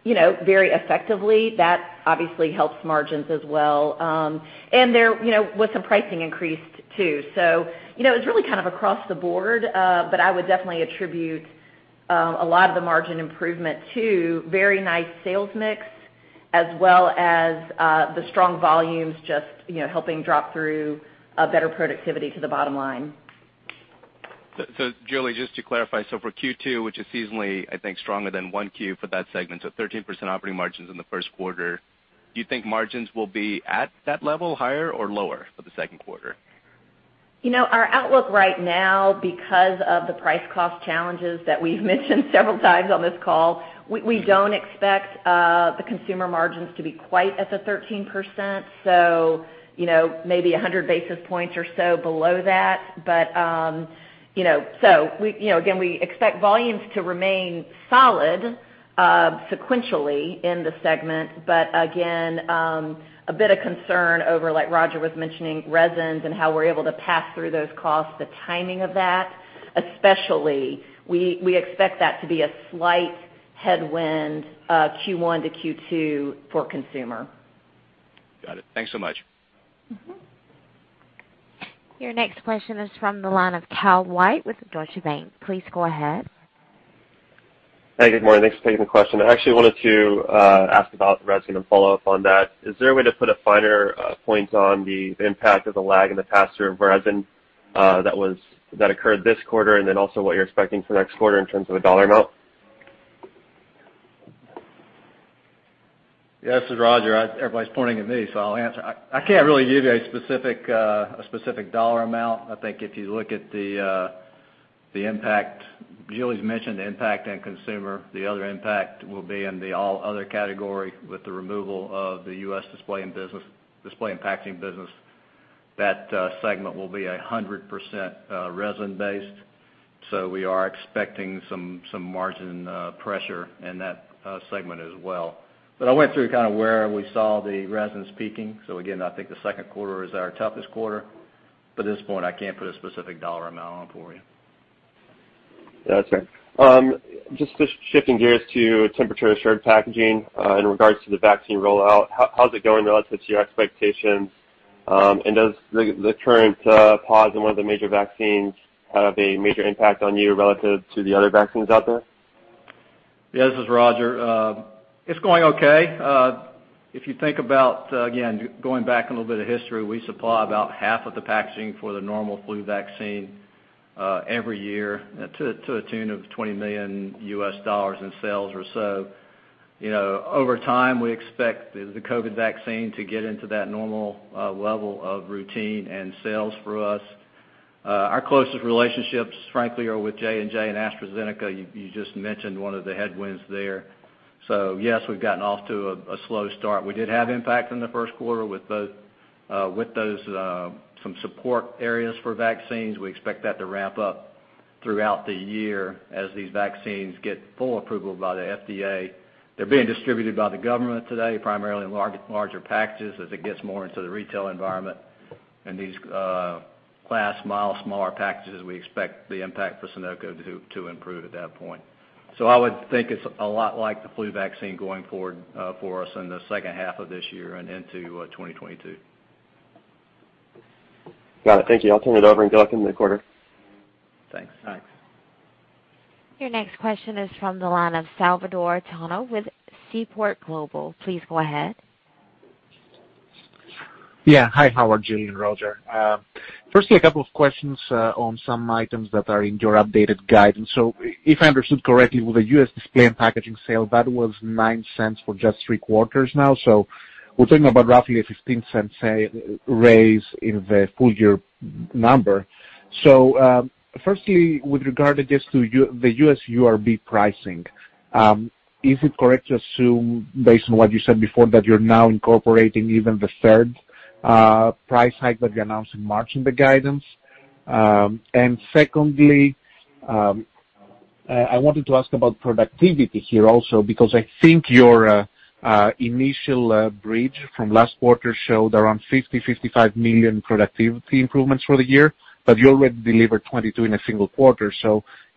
very effectively. That obviously helps margins as well. There was some pricing increased too, so it was really kind of across the board. I would definitely attribute a lot of the margin improvement to very nice sales mix, as well as the strong volumes just helping drop through better productivity to the bottom line. Julie, just to clarify, for Q2, which is seasonally, I think, stronger than one Q for that segment, 13% operating margins in the first quarter. Do you think margins will be at that level, higher or lower for the second quarter? Our outlook right now, because of the price-cost challenges that we've mentioned several times on this call, we don't expect the Consumer margins to be quite at the 13%. Maybe 100 basis points or so below that. Again, we expect volumes to remain solid sequentially in the segment. Again, a bit of concern over, like Roger was mentioning, resins and how we're able to pass through those costs, the timing of that. Especially, we expect that to be a slight headwind Q1-Q2 for Consumer. Got it. Thanks so much. Your next question is from the line of Calvin White with Deutsche Bank. Please go ahead. Hey, good morning. Thanks for taking the question. I actually wanted to ask about resin and follow up on that. Is there a way to put a finer point on the impact of the lag in the pass-through of resin that occurred this quarter, and then also what you're expecting for next quarter in terms of a dollar amount? Yeah, this is Rodger. Everybody's pointing at me, so I'll answer. I can't really give you a specific dollar amount. I think if you look at the impact Julie's mentioned, the impact in consumer, the other impact will be in the all other category with the removal of the U.S. Display and Packaging business. That segment will be 100% resin-based. We are expecting some margin pressure in that segment as well. I went through kind of where we saw the resins peaking. Again, I think the second quarter is our toughest quarter. At this point, I can't put a specific dollar amount on for you. Yeah, that's fair. Just shifting gears to temperature assured packaging in regards to the vaccine rollout. How's it going relative to your expectations? Does the current pause in one of the major vaccines have a major impact on you relative to the other vaccines out there? Yes, this is Rodger. It's going okay. If you think about, again, going back a little bit of history, we supply about half of the packaging for the normal flu vaccine every year to the tune of $20 million in sales or so. Over time, we expect the COVID vaccine to get into that normal level of routine and sales for us. Our closest relationships, frankly, are with J&J and AstraZeneca. You just mentioned one of the headwinds there. Yes, we've gotten off to a slow start. We did have impact in the first quarter with those, some support areas for vaccines. We expect that to ramp up throughout the year as these vaccines get full approval by the FDA. They're being distributed by the government today, primarily in larger packages. As it gets more into the retail environment and these last-mile smaller packages, we expect the impact for Sonoco to improve at that point. I would think it's a lot like the flu vaccine going forward for us in the second half of this year and into 2022. Got it. Thank you. I'll turn it over and dive into the quarter. Thanks. Thanks. Your next question is from the line of Salvator Tiano with Seaport Global Securities. Please go ahead. Yeah. Hi, Howard, Julie, and Rodger. A couple of questions on some items that are in your updated guidance. If I understood correctly, with the U.S. Display and Packaging sale, that was $0.09 for just three quarters now. We're talking about roughly a $0.15 raise in the full year number. With regard just to the U.S. URB pricing, is it correct to assume, based on what you said before, that you're now incorporating even the third price hike that you announced in March in the guidance? Secondly, I wanted to ask about productivity here also because I think your initial bridge from last quarter showed around $50 million-$55 million productivity improvements for the year, but you already delivered 22 in a single quarter.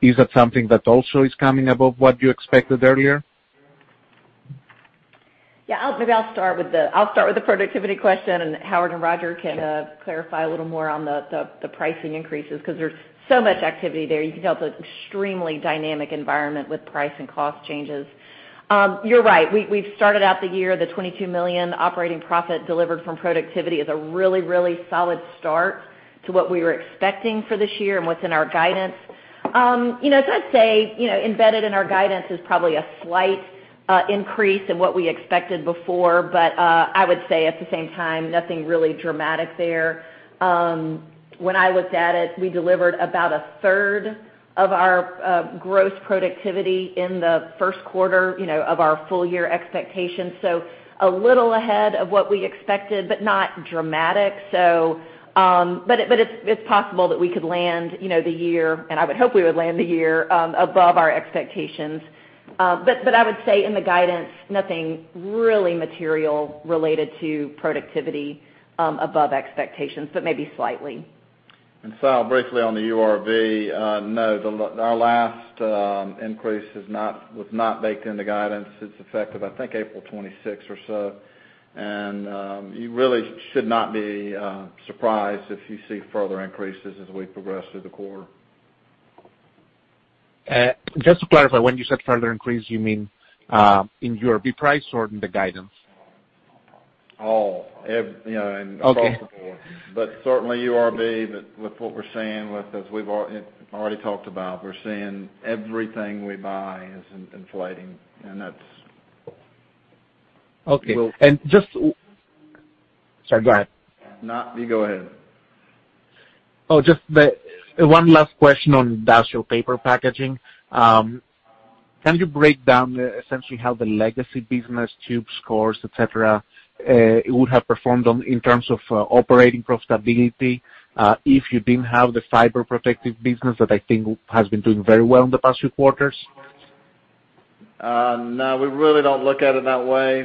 Is that something that also is coming above what you expected earlier? Yeah. Maybe I'll start with the productivity question, and Howard and Roger can clarify a little more on the pricing increases because there's so much activity there. You can tell it's an extremely dynamic environment with price and cost changes. You're right, we've started out the year, the $22 million operating profit delivered from productivity is a really solid start to what we were expecting for this year and what's in our guidance. I'd say, embedded in our guidance is probably a slight increase in what we expected before. I would say at the same time, nothing really dramatic there. When I looked at it, we delivered about a third of our gross productivity in the first quarter of our full-year expectations. A little ahead of what we expected, but not dramatic. It's possible that we could land the year, and I would hope we would land the year above our expectations. I would say in the guidance, nothing really material related to productivity above expectations, but maybe slightly. Sal, briefly on the URB, no, our last increase was not baked into guidance. It's effective, I think, April 26 or so. You really should not be surprised if you see further increases as we progress through the quarter. Just to clarify, when you said further increase, you mean in URB price or in the guidance? All. Okay. Across the board. Certainly URB, with what we're seeing, as we've already talked about, we're seeing everything we buy is inflating. Okay. Sorry, go ahead. No, you go ahead. Just one last question on Industrial Paper Packaging. Can you break down essentially how the legacy business, tubes, cores, et cetera, would have performed in terms of operating profitability if you didn't have the fiber protective business that I think has been doing very well in the past few quarters? No, we really don't look at it that way.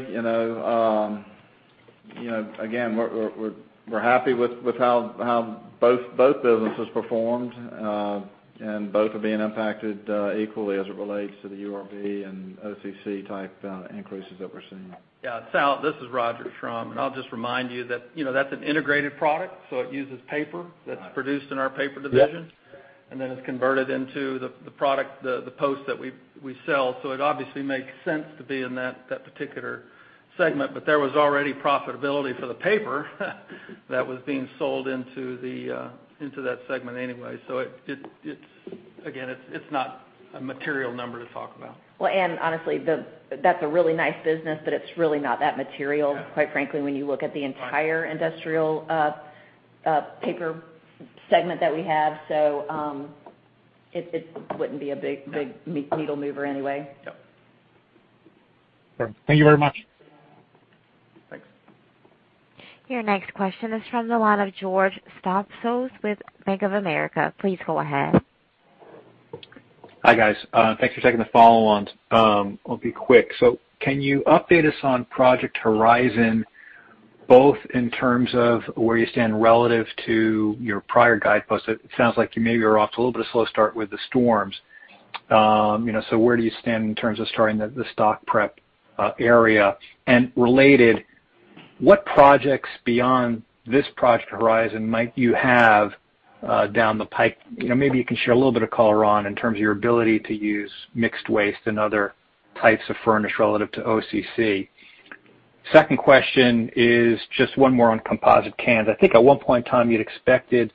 Again, we're happy with how both businesses performed. Both are being impacted equally as it relates to the URB and OCC type increases that we're seeing. Yeah, Sal, this is Roger Schrum, and I'll just remind you that's an integrated product, so it uses paper that's produced in our paper division. Yep. It's converted into the product, the post that we sell. It obviously makes sense to be in that particular segment. There was already profitability for the paper that was being sold into that segment anyway. Again, it's not a material number to talk about. Well, honestly, that's a really nice business, but it's really not that material. Yeah Quite frankly, when you look at the entire Industrial Paper segment that we have. It wouldn't be a big needle mover anyway. Yep. Sure. Thank you very much. Thanks. Your next question is from the line of George Staphos with Bank of America. Please go ahead. Hi, guys. Thanks for taking the follow-ons. I'll be quick. Can you update us on Project Horizon, both in terms of where you stand relative to your prior guideposts? It sounds like you maybe are off to a little bit of slow start with the storms. Where do you stand in terms of starting the stock prep area? Related, what projects beyond this Project Horizon might you have down the pipe? Maybe you can share a little bit of color, Ron, in terms of your ability to use mixed waste and other types of furnish relative to OCC. Second question is just one more on composite cans. I think at one point in time, you'd expected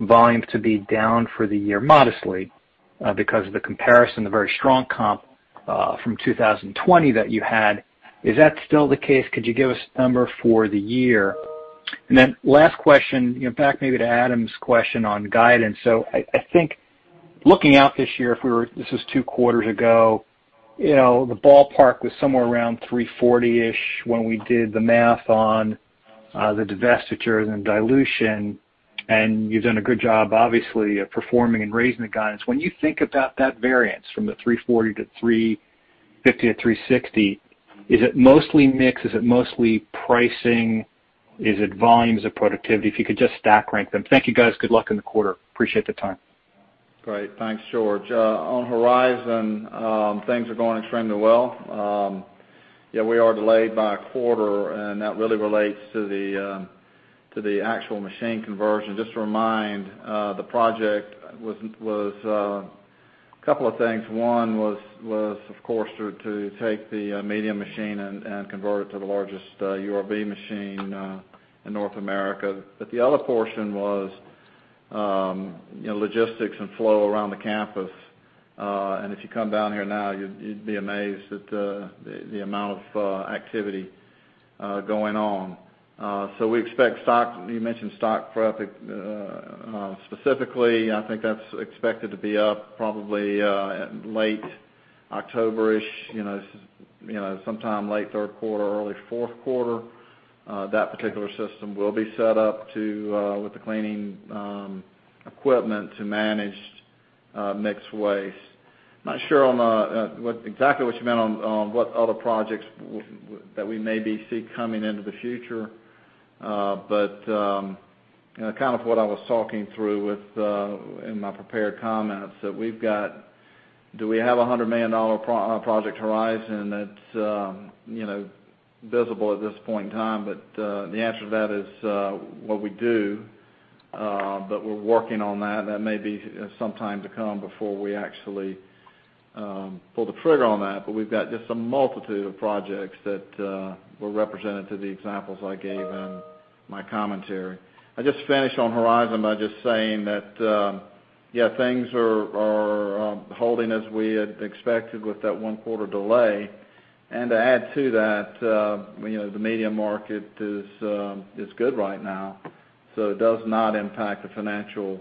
volume to be down for the year modestly because of the comparison, the very strong comp from 2020 that you had. Is that still the case? Could you give us a number for the year? Last question, back maybe to Adam's question on guidance. I think looking out this year, this was two quarters ago, the ballpark was somewhere around $3.40-ish when we did the math on the divestitures and dilution, and you've done a good job, obviously, of performing and raising the guidance. When you think about that variance from the $3.40 to $3.50 to $3.60, is it mostly mix? Is it mostly pricing? Is it volumes of productivity? If you could just stack rank them. Thank you, guys. Good luck in the quarter. Appreciate the time. Great. Thanks, George. On Horizon, things are going extremely well. That really relates to the actual machine conversion. Just to remind, the project was a couple of things. One was, of course, to take the medium machine and convert it to the largest URB machine in North America. The other portion was logistics and flow around the campus. If you come down here now, you'd be amazed at the amount of activity going on. You mentioned stock specifically. I think that's expected to be up probably late October-ish, sometime late third quarter, early fourth quarter. That particular system will be set up with the cleaning equipment to manage mixed waste. I'm not sure exactly what you meant on what other projects that we maybe see coming into the future. Kind of what I was talking through in my prepared comments, do we have $100 million Project Horizon that's visible at this point in time? The answer to that is what we do, but we're working on that. That may be some time to come before we actually pull the trigger on that. We've got just a multitude of projects that were represented to the examples I gave in my commentary. I'll just finish on Horizon by just saying that, yeah, things are holding as we had expected with that one-quarter delay. To add to that, the media market is good right now, so it does not impact the financial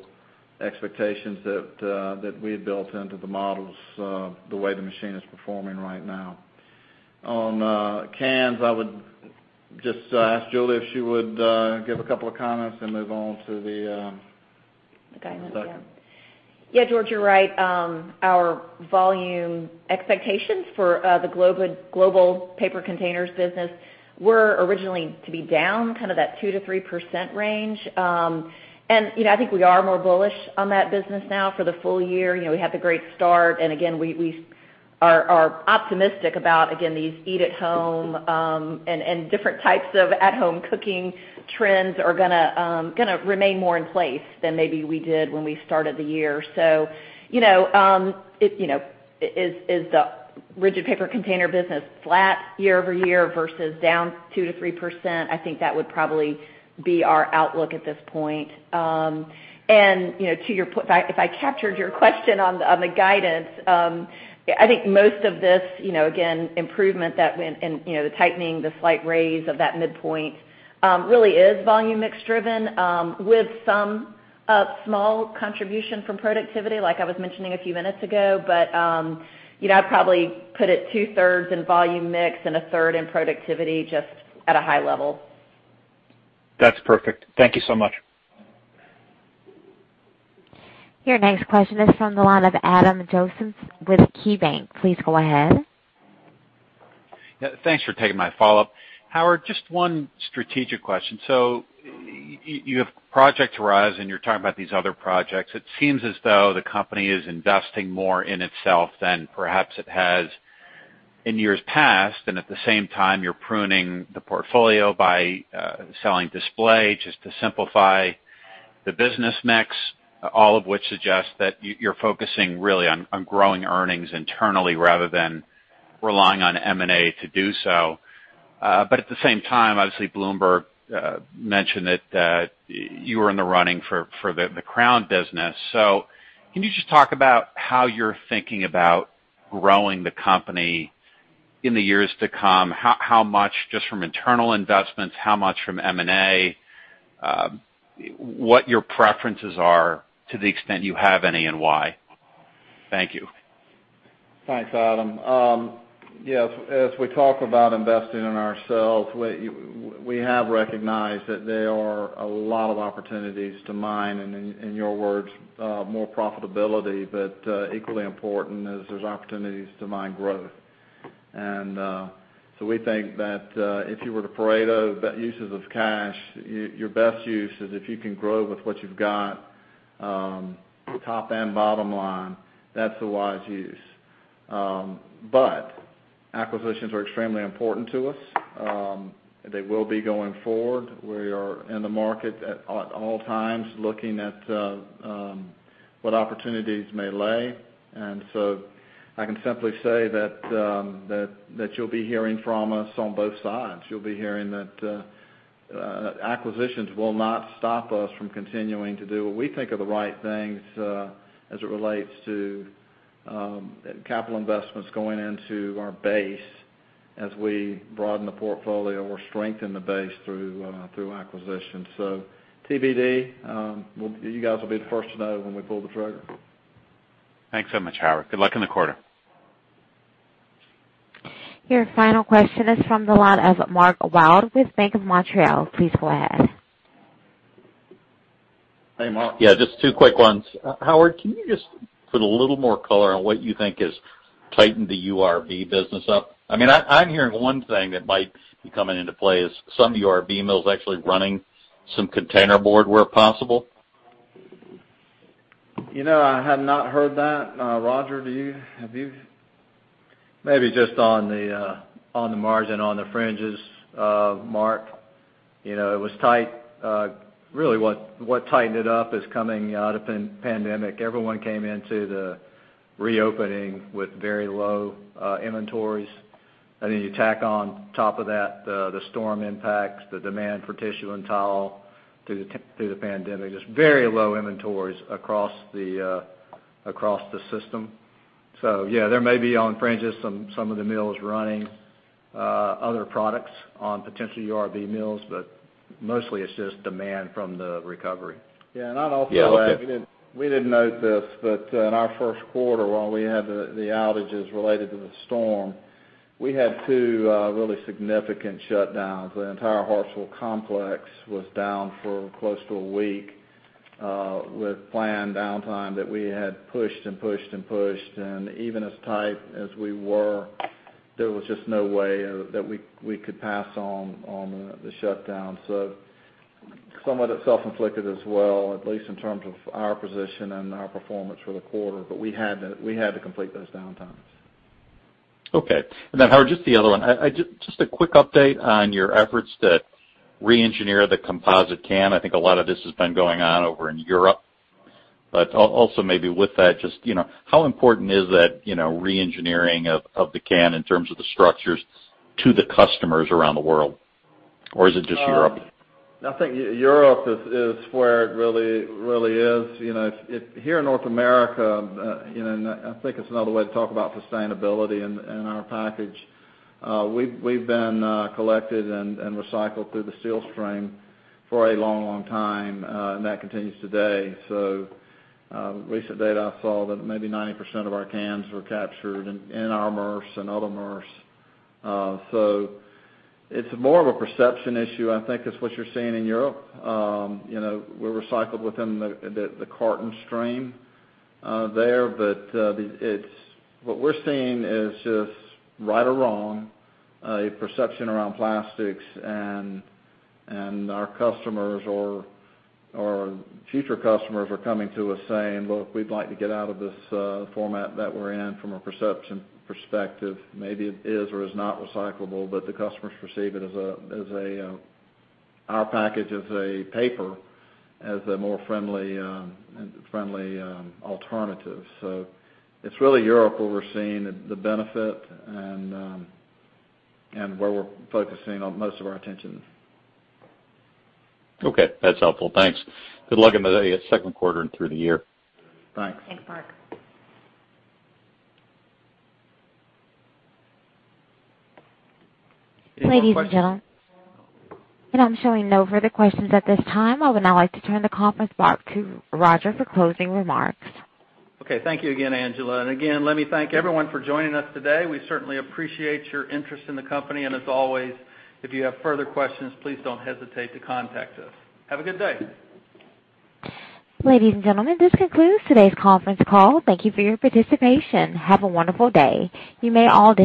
expectations that we had built into the models the way the machine is performing right now. On cans, I would just ask Julie if she would give a couple of comments and move on to the. The guidance, yeah. Second. Yeah, George, you're right. Our volume expectations for the global paper containers business were originally to be down kind of that 2%-3% range. I think we are more bullish on that business now for the full year. We had the great start, and again, we are optimistic about, again, these eat-at-home, and different types of at-home cooking trends are going to remain more in place than maybe we did when we started the year. Is the rigid paper container business flat year-over-year versus down 2%-3%? I think that would probably be our outlook at this point. If I captured your question on the guidance, I think most of this, again, improvement that went in the tightening, the slight raise of that midpoint, really is volume mix driven with some small contribution from productivity, like I was mentioning a few minutes ago. I'd probably put it 2/3 in volume mix and a 3rd in productivity, just at a high level. That's perfect. Thank you so much. Your next question is from the line of Adam Josephson with KeyBank. Please go ahead. Yeah. Thanks for taking my follow-up. Howard, just one strategic question. You have Project Horizon. You're talking about these other projects. It seems as though the company is investing more in itself than perhaps it has in years past. At the same time, you're pruning the portfolio by selling Display just to simplify the business mix. All of which suggests that you're focusing really on growing earnings internally rather than relying on M&A to do so. At the same time, obviously, Bloomberg mentioned that you are in the running for the Crown business. Can you just talk about how you're thinking about growing the company in the years to come? How much just from internal investments, how much from M&A, what your preferences are to the extent you have any, and why? Thank you. Thanks, Adam. Yes. As we talk about investing in ourselves, we have recognized that there are a lot of opportunities to mine, and in your words, more profitability, but equally important is there's opportunities to mine growth. We think that if you were to Pareto the uses of cash, your best use is if you can grow with what you've got, top and bottom line. That's a wise use. Acquisitions are extremely important to us. They will be going forward. We are in the market at all times, looking at what opportunities may lay. I can simply say that you'll be hearing from us on both sides. You'll be hearing that acquisitions will not stop us from continuing to do what we think are the right things as it relates to capital investments going into our base as we broaden the portfolio or strengthen the base through acquisition. TBD, you guys will be the first to know when we pull the trigger. Thanks so much, Howard. Good luck in the quarter. Your final question is from the line of Mark Wilde with Bank of Montreal. Please go ahead. Hey, Mark. Yeah, just two quick ones. Howard, can you just put a little more color on what you think has tightened the URB business up? I'm hearing one thing that might be coming into play is some URB mills actually running some container board where possible. I have not heard that. Roger, have you? Maybe just on the margin, on the fringes, Mark. It was tight. Really what tightened it up is coming out of pandemic. Everyone came into the reopening with very low inventories, and then you tack on top of that the storm impacts, the demand for tissue and towel through the pandemic. Just very low inventories across the system. Yeah, there may be on fringes some of the mills running other products on potential URB mills, but mostly it's just demand from the recovery. Yeah. I'd also add, we didn't note this, but in our first quarter, while we had the outages related to the storm, we had two really significant shutdowns. The entire Hartsville complex was down for close to a week with planned downtime that we had pushed and pushed and pushed. Even as tight as we were, there was just no way that we could pass on the shutdown. Some of it's self-inflicted as well, at least in terms of our position and our performance for the quarter. We had to complete those downtimes. Okay. Then Howard, just the other one. Just a quick update on your efforts to reengineer the composite can. I think a lot of this has been going on over in Europe. Also maybe with that, just how important is that reengineering of the can in terms of the structures to the customers around the world? Or is it just Europe? I think Europe is where it really is. Here in North America, I think it's another way to talk about sustainability in our package. We've been collected and recycled through the steel stream for a long time, and that continues today. Recent data I saw that maybe 90% of our cans were captured in our MRFs and other MRFs. It's more of a perception issue, I think, is what you're seeing in Europe. We're recycled within the carton stream there. What we're seeing is just right or wrong, a perception around plastics, and our customers or our future customers are coming to us saying, "Look, we'd like to get out of this format that we're in from a perception perspective." Maybe it is or is not recyclable, but the customers perceive our package as a paper, as a more friendly alternative. It's really Europe where we're seeing the benefit and where we're focusing most of our attention. Okay. That's helpful. Thanks. Good luck in the second quarter and through the year. Thanks. Thanks, Mark. Any more questions? Ladies and gentlemen. I'm showing no further questions at this time. I would now like to turn the conference back to Roger for closing remarks. Okay. Thank you again, Angela. Again, let me thank everyone for joining us today. We certainly appreciate your interest in the company. As always, if you have further questions, please don't hesitate to contact us. Have a good day. Ladies and gentlemen, this concludes today's conference call. Thank you for your participation. Have a wonderful day. You may all disconnect.